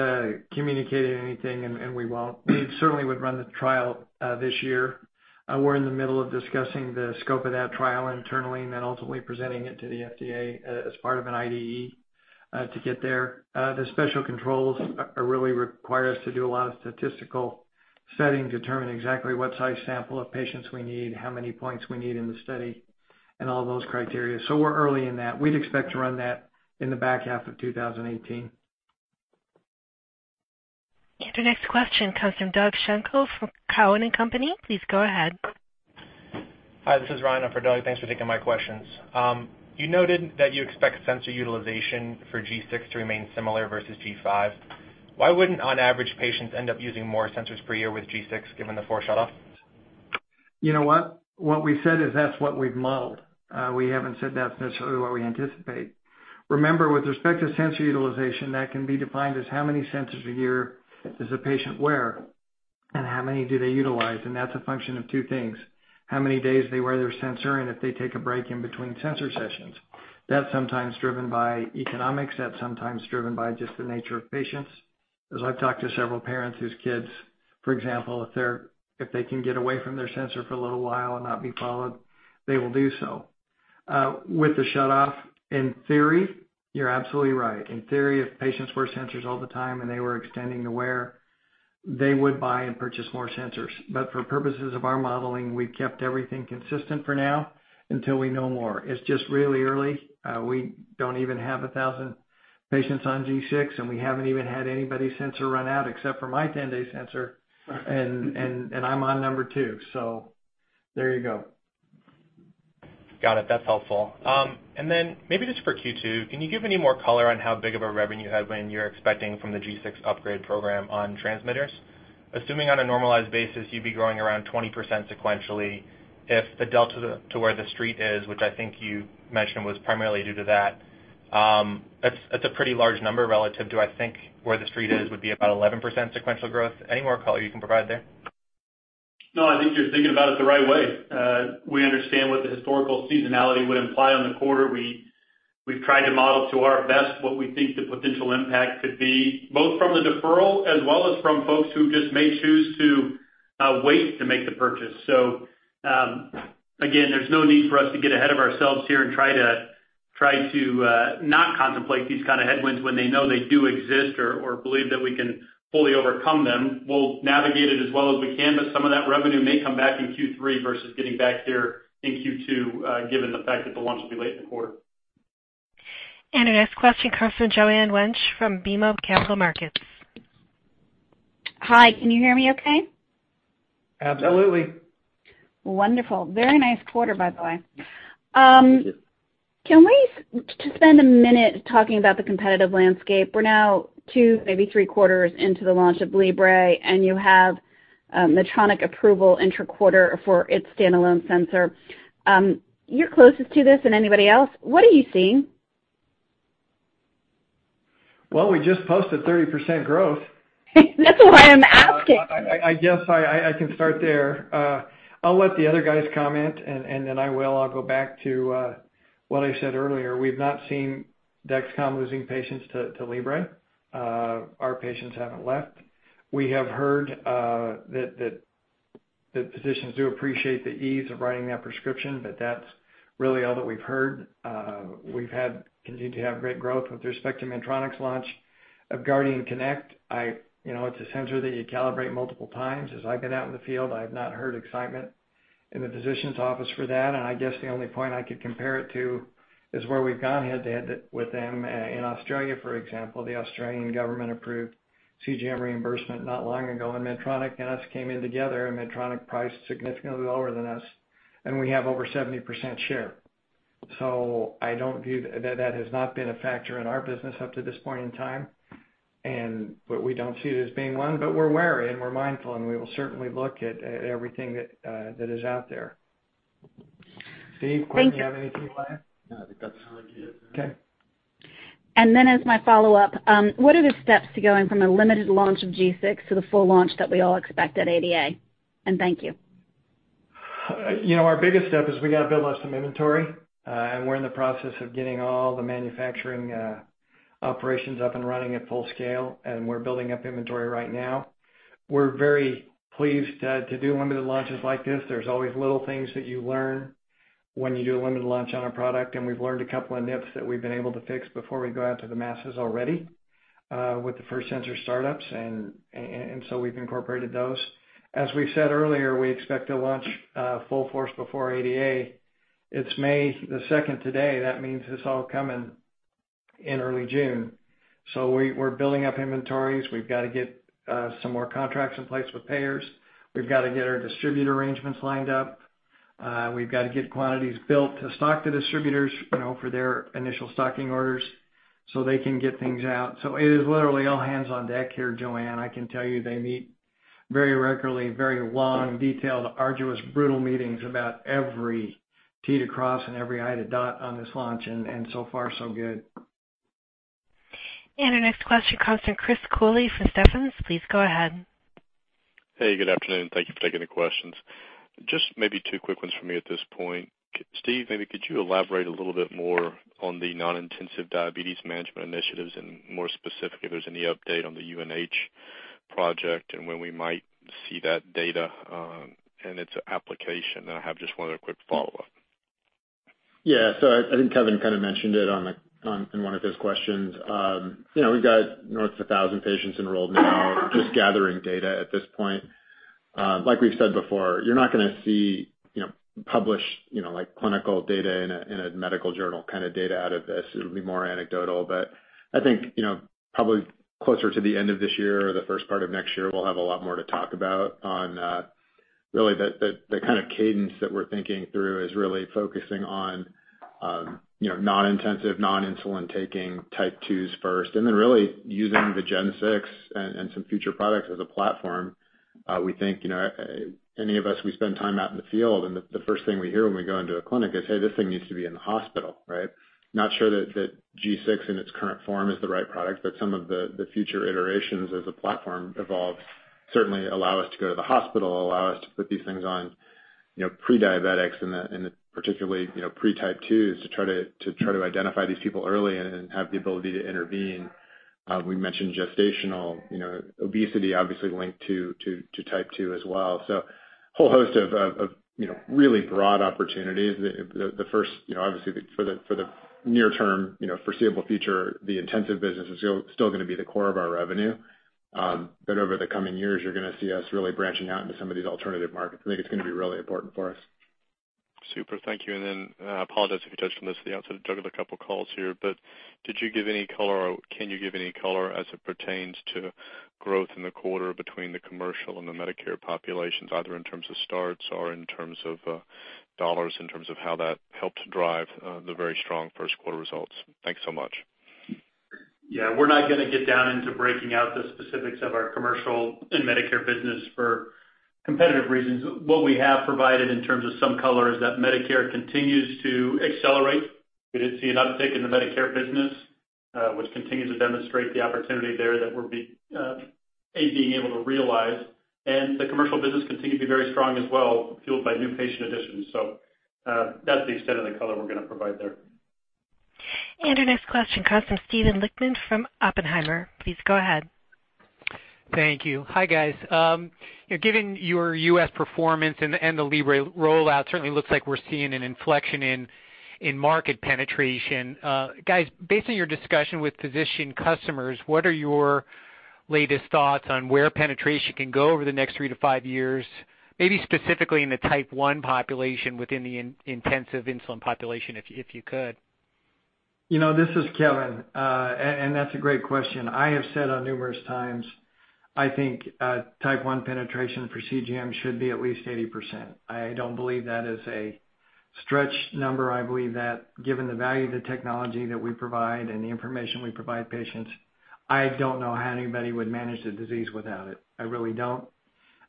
communicated anything and we won't. We certainly would run the trial this year. We're in the middle of discussing the scope of that trial internally and then ultimately presenting it to the FDA as part of an IDE to get there. The special controls really require us to do a lot of statistical setting to determine exactly what size sample of patients we need, how many points we need in the study, and all those criteria. So we're early in that. We'd expect to run that in the back half of 2018. Our next question comes from Doug Schenkel from Cowen and Company. Please go ahead. Hi. This is Ryan for Doug. Thanks for taking my questions. You noted that you expect sensor utilization for G6 to remain similar versus G5. Why wouldn't, on average, patients end up using more sensors per year with G6 given the 10-day? You know what? What we said is that's what we've modeled. We haven't said that's necessarily what we anticipate. Remember, with respect to sensor utilization, that can be defined as how many sensors a year does the patient wear and how many do they utilize, and that's a function of two things: how many days they wear their sensor and if they take a break in between sensor sessions. That's sometimes driven by economics. That's sometimes driven by just the nature of patients. As I've talked to several parents whose kids, for example, if they can get away from their sensor for a little while and not be followed, they will do so. With the shutoff, in theory, you're absolutely right. In theory, if patients wear sensors all the time and they were extending the wear, they would buy and purchase more sensors. But for purposes of our modeling, we've kept everything consistent for now until we know more. It's just really early. We don't even have 1,000 patients on G6, and we haven't even had anybody's sensor run out except for my 10-day sensor. And I'm on number two. So there you go. Got it. That's helpful. And then maybe just for Q2, can you give any more color on how big of a revenue headwind you're expecting from the G6 upgrade program on transmitters? Assuming on a normalized basis, you'd be growing around 20% sequentially if the delta to where the street is, which I think you mentioned was primarily due to that, that's a pretty large number relative to, I think, where the street is would be about 11% sequential growth. Any more color you can provide there? No, I think you're thinking about it the right way. We understand what the historical seasonality would imply on the quarter. We've tried to model to our best what we think the potential impact could be, both from the deferral as well as from folks who just may choose to wait to make the purchase. So again, there's no need for us to get ahead of ourselves here and try to not contemplate these kind of headwinds when they know they do exist or believe that we can fully overcome them. We'll navigate it as well as we can. But some of that revenue may come back in Q3 versus getting back here in Q2 given the fact that the launch will be late in the quarter. And our next question comes from Joanne Wuensch from BMO Capital Markets. Hi. Can you hear me okay? Absolutely. Wonderful. Very nice quarter, by the way. Can we just spend a minute talking about the competitive landscape? We're now two, maybe three quarters into the launch of Libre, and you have Medtronic approval intra-quarter for its standalone sensor. You're closest to this than anybody else. What are you seeing? We just posted 30% growth. That's why I'm asking. I guess I can start there. I'll let the other guys comment, and then I will. I'll go back to what I said earlier. We've not seen Dexcom losing patients to Libre. Our patients haven't left. We have heard that physicians do appreciate the ease of writing that prescription, but that's really all that we've heard. We've continued to have great growth with respect to Medtronic's launch of Guardian Connect. It's a sensor that you calibrate multiple times. As I've been out in the field, I have not heard excitement in the physician's office for that, and I guess the only point I could compare it to is where we've gone head-to-head with them. In Australia, for example, the Australian government approved CGM reimbursement not long ago, and Medtronic and us came in together, and Medtronic priced significantly lower than us, and we have over 70% share. So I don't view that that has not been a factor in our business up to this point in time. But we don't see it as being one. But we're wary, and we're mindful, and we will certainly look at everything that is out there. Steve, Quentin, do you have anything you want to add? No, I think that sounds good. Okay. And then as my follow-up, what are the steps to going from a limited launch of G6 to the full launch that we all expect at ADA? And thank you. Our biggest step is we got to build up some inventory. And we're in the process of getting all the manufacturing operations up and running at full scale. And we're building up inventory right now. We're very pleased to do limited launches like this. There's always little things that you learn when you do a limited launch on a product. And we've learned a couple of nips that we've been able to fix before we go out to the masses already with the first sensor startups. And so we've incorporated those. As we said earlier, we expect to launch full force before ADA. It's May the 2nd today. That means it's all coming in early June. So we're building up inventories. We've got to get some more contracts in place with payers. We've got to get our distributor arrangements lined up. We've got to get quantities built to stock the distributors for their initial stocking orders so they can get things out. So it is literally all hands on deck here, Joanne. I can tell you they meet very regularly, very long, detailed, arduous, brutal meetings about every t, to cross and every i to dot on this launch, and so far, so good. And our next question comes from Chris Cooley from Stephens. Please go ahead. Hey, good afternoon. Thank you for taking the questions. Just maybe two quick ones for me at this point. Steve, maybe could you elaborate a little bit more on the non-intensive diabetes management initiatives and more specifically if there's any update on the UNH project and when we might see that data and its application? And I have just one other quick follow-up. Yeah. So I think Kevin kind of mentioned it in one of his questions. We've got north of 1,000 patients enrolled now, just gathering data at this point. Like we've said before, you're not going to see published clinical data in a medical journal kind of data out of this. It'll be more anecdotal. But I think probably closer to the end of this year or the first part of next year, we'll have a lot more to talk about on really the kind of cadence that we're thinking through is really focusing on non-intensive, non-insulin-taking type 2s first. And then really using the G6 and some future products as a platform. We think any of us, we spend time out in the field, and the first thing we hear when we go into a clinic is, "Hey, this thing needs to be in the hospital," right? Not sure that G6 in its current form is the right product, but some of the future iterations as a platform evolve certainly allow us to go to the hospital, allow us to put these things on prediabetics and particularly pre-type 2s to try to identify these people early and have the ability to intervene. We mentioned gestational diabetes, obviously linked to type 2 as well. So a whole host of really broad opportunities. The first, obviously, for the near-term foreseeable future, the intensive business is still going to be the core of our revenue. But over the coming years, you're going to see us really branching out into some of these alternative markets. I think it's going to be really important for us. Super. Thank you. And then apologize if you touched on this at the outset. I've juggled a couple of calls here. But did you give any color or can you give any color as it pertains to growth in the quarter between the commercial and the Medicare populations, either in terms of starts or in terms of dollars, in terms of how that helped drive the very strong first-quarter results? Thanks so much. Yeah. We're not going to get down into breaking out the specifics of our commercial and Medicare business for competitive reasons. What we have provided in terms of some color is that Medicare continues to accelerate. We did see an uptick in the Medicare business, which continues to demonstrate the opportunity there that we're being able to realize, and the commercial business continues to be very strong as well, fueled by new patient additions, so that's the extent of the color we're going to provide there. And our next question comes from Steven Lichtman from Oppenheimer. Please go ahead. Thank you. Hi, guys. Given your U.S. performance and the Libre rollout, certainly looks like we're seeing an inflection in market penetration. Guys, based on your discussion with physician customers, what are your latest thoughts on where penetration can go over the next three to five years, maybe specifically in the Type 1 population within the intensive insulin population if you could? This is Kevin, and that's a great question. I have said on numerous times, I think type 1 penetration for CGM should be at least 80%. I don't believe that is a stretched number. I believe that given the value of the technology that we provide and the information we provide patients, I don't know how anybody would manage the disease without it. I really don't,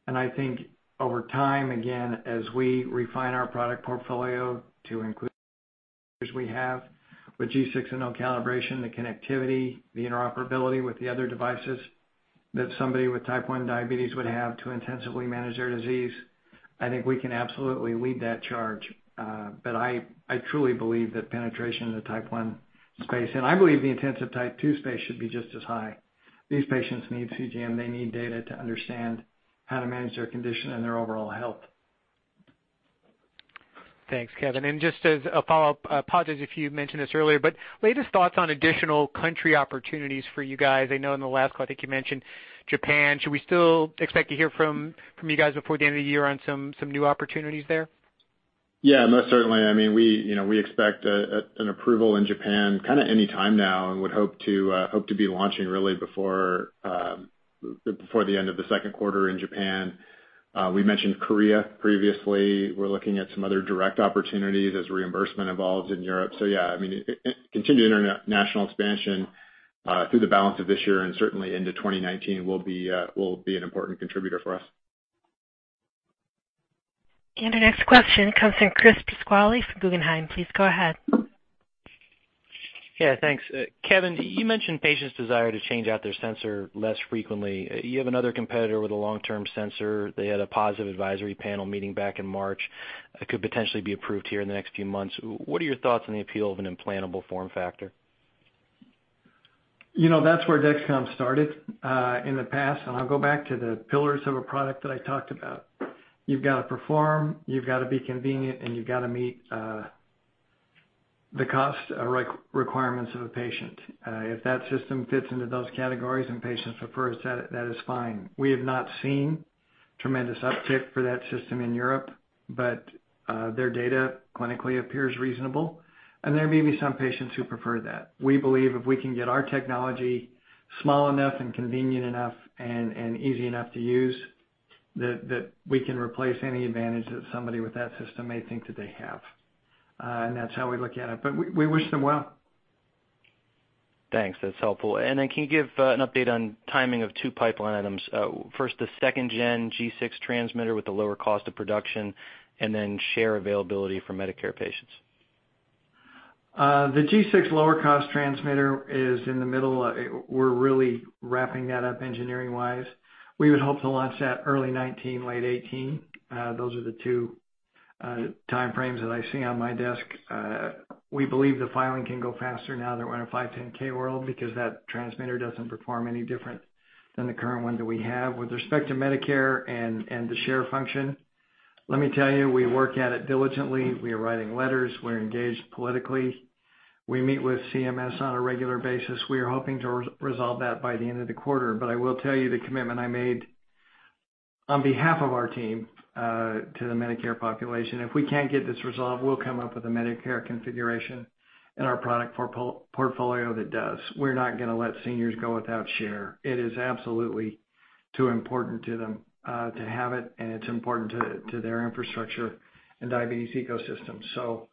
and I think over time, again, as we refine our product portfolio to include as we have with G6 and no calibration, the connectivity, the interoperability with the other devices that somebody with type 1 diabetes would have to intensively manage their disease, I think we can absolutely lead that charge, but I truly believe that penetration in the type 1 space, and I believe the intensive type 2 space should be just as high. These patients need CGM. They need data to understand how to manage their condition and their overall health. Thanks, Kevin. And just as a follow-up, apologies if you mentioned this earlier, but latest thoughts on additional country opportunities for you guys? I know in the last call, I think you mentioned Japan. Should we still expect to hear from you guys before the end of the year on some new opportunities there? Yeah, most certainly. I mean, we expect an approval in Japan kind of any time now and would hope to be launching really before the end of the second quarter in Japan. We mentioned Korea previously. We're looking at some other direct opportunities as reimbursement evolves in Europe. So yeah, I mean, continued international expansion through the balance of this year and certainly into 2019 will be an important contributor for us. And our next question comes from Chris Pasquale from Guggenheim. Please go ahead. Yeah, thanks. Kevin, you mentioned patients' desire to change out their sensor less frequently. You have another competitor with a long-term sensor. They had a positive advisory panel meeting back in March. It could potentially be approved here in the next few months. What are your thoughts on the appeal of an implantable form factor? That's where Dexcom started in the past. And I'll go back to the pillars of a product that I talked about. You've got to perform. You've got to be convenient, and you've got to meet the cost requirements of a patient. If that system fits into those categories and patients prefer it, that is fine. We have not seen tremendous uptick for that system in Europe, but their data clinically appears reasonable. And there may be some patients who prefer that. We believe if we can get our technology small enough and convenient enough and easy enough to use that we can replace any advantage that somebody with that system may think that they have. And that's how we look at it. But we wish them well. Thanks. That's helpful. And then can you give an update on timing of two pipeline items? First, the second-gen G6 transmitter with a lower cost of production and then Share availability for Medicare patients. The G6 lower-cost transmitter is in the middle. We're really wrapping that up engineering-wise. We would hope to launch that early 2019, late 2018. Those are the two time frames that I see on my desk. We believe the filing can go faster now that we're in a 510(k) world because that transmitter doesn't perform any different than the current one that we have. With respect to Medicare and the share function, let me tell you, we work at it diligently. We are writing letters. We're engaged politically. We meet with CMS on a regular basis. We are hoping to resolve that by the end of the quarter. But I will tell you the commitment I made on behalf of our team to the Medicare population. If we can't get this resolved, we'll come up with a Medicare configuration in our product portfolio that does. We're not going to let seniors go without share. It is absolutely too important to them to have it, and it's important to their infrastructure and diabetes ecosystem. So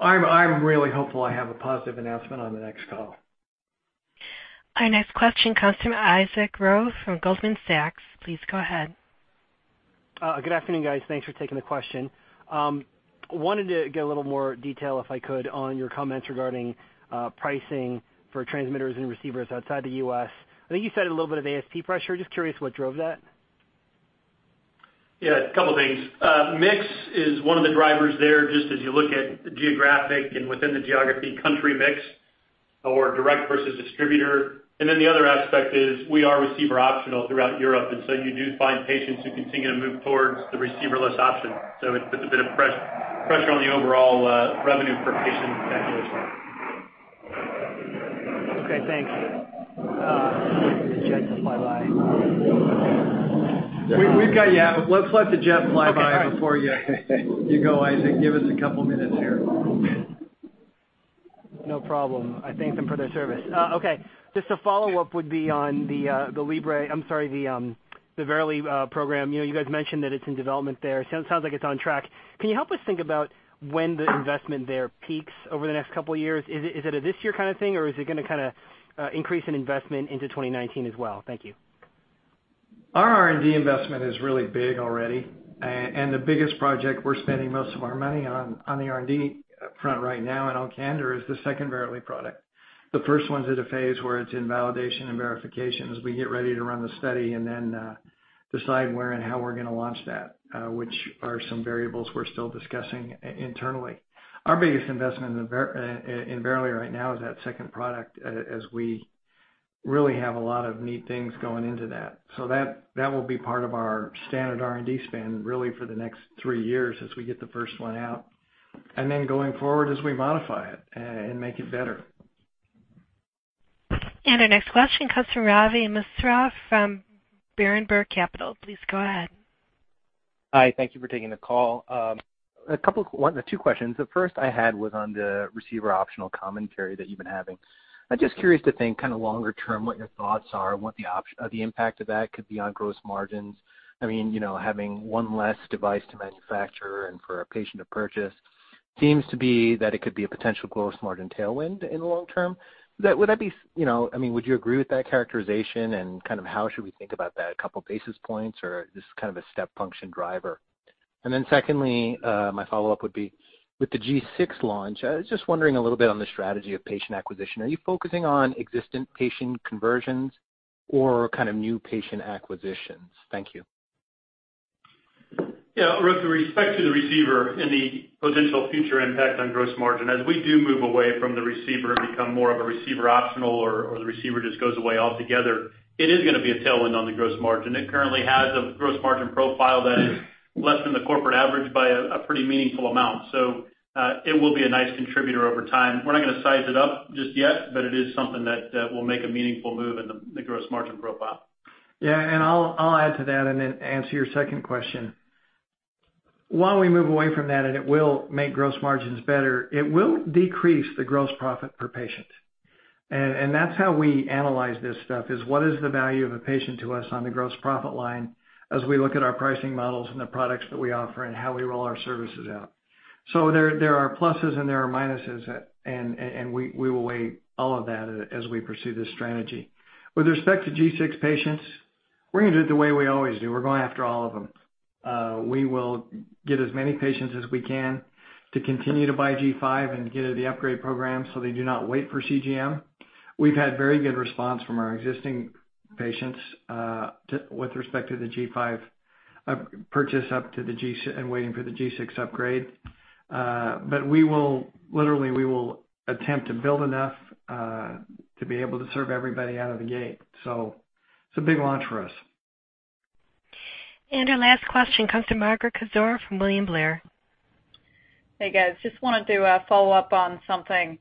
I'm really hopeful I have a positive announcement on the next call. Our next question comes from Isaac Ro from Goldman Sachs. Please go ahead. Good afternoon, guys. Thanks for taking the question. Wanted to get a little more detail, if I could, on your comments regarding pricing for transmitters and receivers outside the U.S. I think you cited a little bit of ASP pressure. Just curious what drove that. Yeah, a couple of things. Mix is one of the drivers there just as you look at geographic and within the geography, country mix or direct versus distributor. And then the other aspect is we are receiver optional throughout Europe. And so you do find patients who continue to move towards the receiverless option. So it puts a bit of pressure on the overall revenue for patients that goes by. Okay, thanks. Let the jet fly by. We've got you. Let's let the jet fly by before you go, Isaac. Give us a couple of minutes here. No problem. I thank them for their service. Okay. Just a follow-up would be on the Libre, I'm sorry, the Verily program. You guys mentioned that it's in development there. Sounds like it's on track. Can you help us think about when the investment there peaks over the next couple of years? Is it a this-year kind of thing, or is it going to kind of increase in investment into 2019 as well? Thank you. Our R&D investment is really big already. And the biggest project we're spending most of our money on the R&D front right now and on Android is the second Verily product. The first one's at a phase where it's in validation and verification as we get ready to run the study and then decide where and how we're going to launch that, which are some variables we're still discussing internally. Our biggest investment in Verily right now is that second product as we really have a lot of neat things going into that. So that will be part of our standard R&D spend really for the next three years as we get the first one out. And then going forward as we modify it and make it better. And our next question comes from Ravi Misra from Berenberg Capital. Please go ahead. Hi. Thank you for taking the call. One of the two questions. The first I had was on the receiver optional commentary that you've been having. I'm just curious to think kind of longer term what your thoughts are and what the impact of that could be on gross margins. I mean, having one less device to manufacture and for a patient to purchase seems to be that it could be a potential gross margin tailwind in the long term. Would that be. I mean, would you agree with that characterization and kind of how should we think about that? A couple of basis points or just kind of a step function driver? And then secondly, my follow-up would be with the G6 launch. I was just wondering a little bit on the strategy of patient acquisition. Are you focusing on existing patient conversions or kind of new patient acquisitions? Thank you. Yeah. With respect to the receiver and the potential future impact on gross margin, as we do move away from the receiver and become more of a receiver optional or the receiver just goes away altogether, it is going to be a tailwind on the gross margin. It currently has a gross margin profile that is less than the corporate average by a pretty meaningful amount. So it will be a nice contributor over time. We're not going to size it up just yet, but it is something that will make a meaningful move in the gross margin profile. Yeah. And I'll add to that and then answer your second question. While we move away from that, and it will make gross margins better, it will decrease the gross profit per patient. And that's how we analyze this stuff: what is the value of a patient to us on the gross profit line as we look at our pricing models and the products that we offer and how we roll our services out. So there are pluses and there are minuses, and we will weigh all of that as we pursue this strategy. With respect to G6 patients, we're going to do it the way we always do. We're going after all of them. We will get as many patients as we can to continue to buy G5 and get into the upgrade program so they do not wait for CGM. We've had very good response from our existing patients with respect to the G5 purchase up to now and waiting for the G6 upgrade. But literally, we will attempt to build enough to be able to serve everybody out of the gate. So it's a big launch for us. Our last question comes from Margaret Kaczor from William Blair. Hey, guys. Just wanted to follow up on something.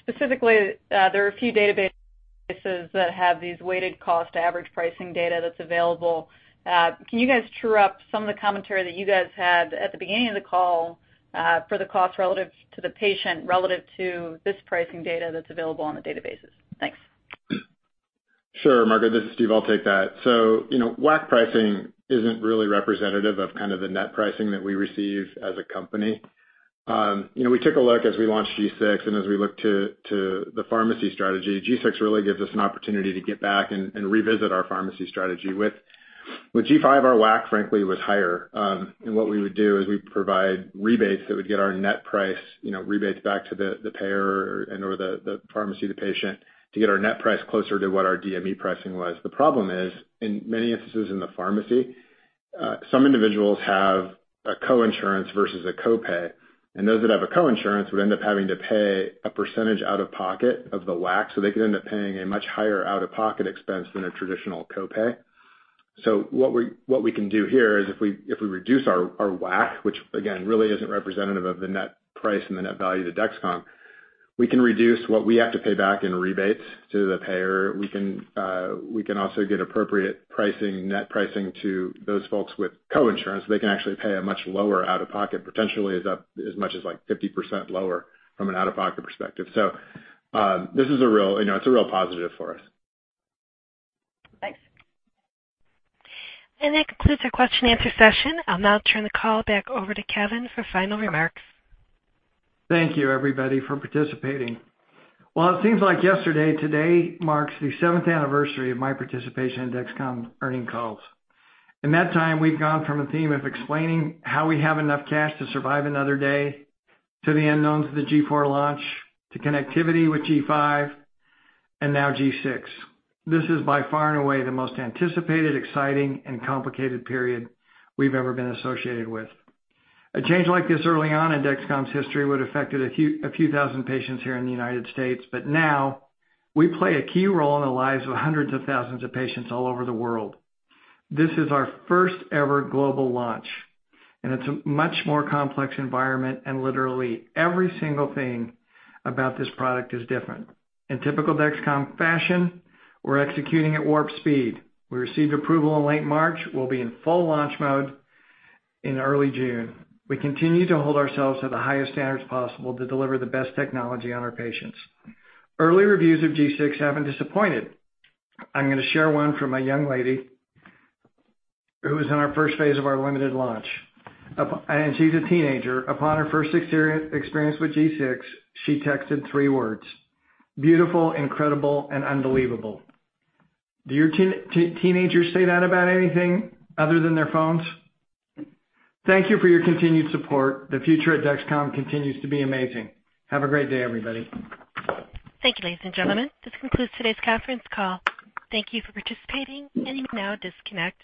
Specifically, there are a few databases that have these weighted cost average pricing data that's available. Can you guys true up some of the commentary that you guys had at the beginning of the call for the cost relative to the patient relative to this pricing data that's available on the databases? Thanks. Sure. Margaret, this is Steve. I'll take that. So WAC pricing isn't really representative of kind of the net pricing that we receive as a company. We took a look as we launched G6, and as we looked to the pharmacy strategy, G6 really gives us an opportunity to get back and revisit our pharmacy strategy. With G5, our WAC, frankly, was higher. And what we would do is we provide rebates that would get our net price rebates back to the payer and/or the pharmacy, the patient, to get our net price closer to what our DME pricing was. The problem is, in many instances in the pharmacy, some individuals have a co-insurance versus a copay. And those that have a co-insurance would end up having to pay a percentage out of pocket of the WAC. So they could end up paying a much higher out-of-pocket expense than a traditional copay. So what we can do here is if we reduce our WAC, which, again, really isn't representative of the net price and the net value to Dexcom, we can reduce what we have to pay back in rebates to the payer. We can also get appropriate pricing, net pricing to those folks with co-insurance. They can actually pay a much lower out-of-pocket, potentially as much as like 50% lower from an out-of-pocket perspective. So this is a real, it's a real positive for us. Thanks. That concludes our question-and-answer session. I'll now turn the call back over to Kevin for final remarks. Thank you, everybody, for participating. It seems like yesterday. Today marks the seventh anniversary of my participation in Dexcom earnings calls. In that time, we've gone from a theme of explaining how we have enough cash to survive another day to the unknowns of the G4 launch to connectivity with G5 and now G6. This is by far and away the most anticipated, exciting, and complicated period we've ever been associated with. A change like this early on in Dexcom's history would have affected a few thousand patients here in the United States, but now we play a key role in the lives of hundreds of thousands of patients all over the world. This is our first-ever global launch, and it's a much more complex environment, and literally every single thing about this product is different. In typical Dexcom fashion, we're executing at warp speed. We received approval in late March. We'll be in full launch mode in early June. We continue to hold ourselves to the highest standards possible to deliver the best technology on our patients. Early reviews of G6 haven't disappointed. I'm going to share one from a young lady who was in our first phase of our limited launch, and she's a teenager. Upon her first experience with G6, she texted three words: beautiful, incredible, and unbelievable. Do your teenagers say that about anything other than their phones? Thank you for your continued support. The future at Dexcom continues to be amazing. Have a great day, everybody. Thank you, ladies and gentlemen. This concludes today's conference call. Thank you for participating. And you may now disconnect.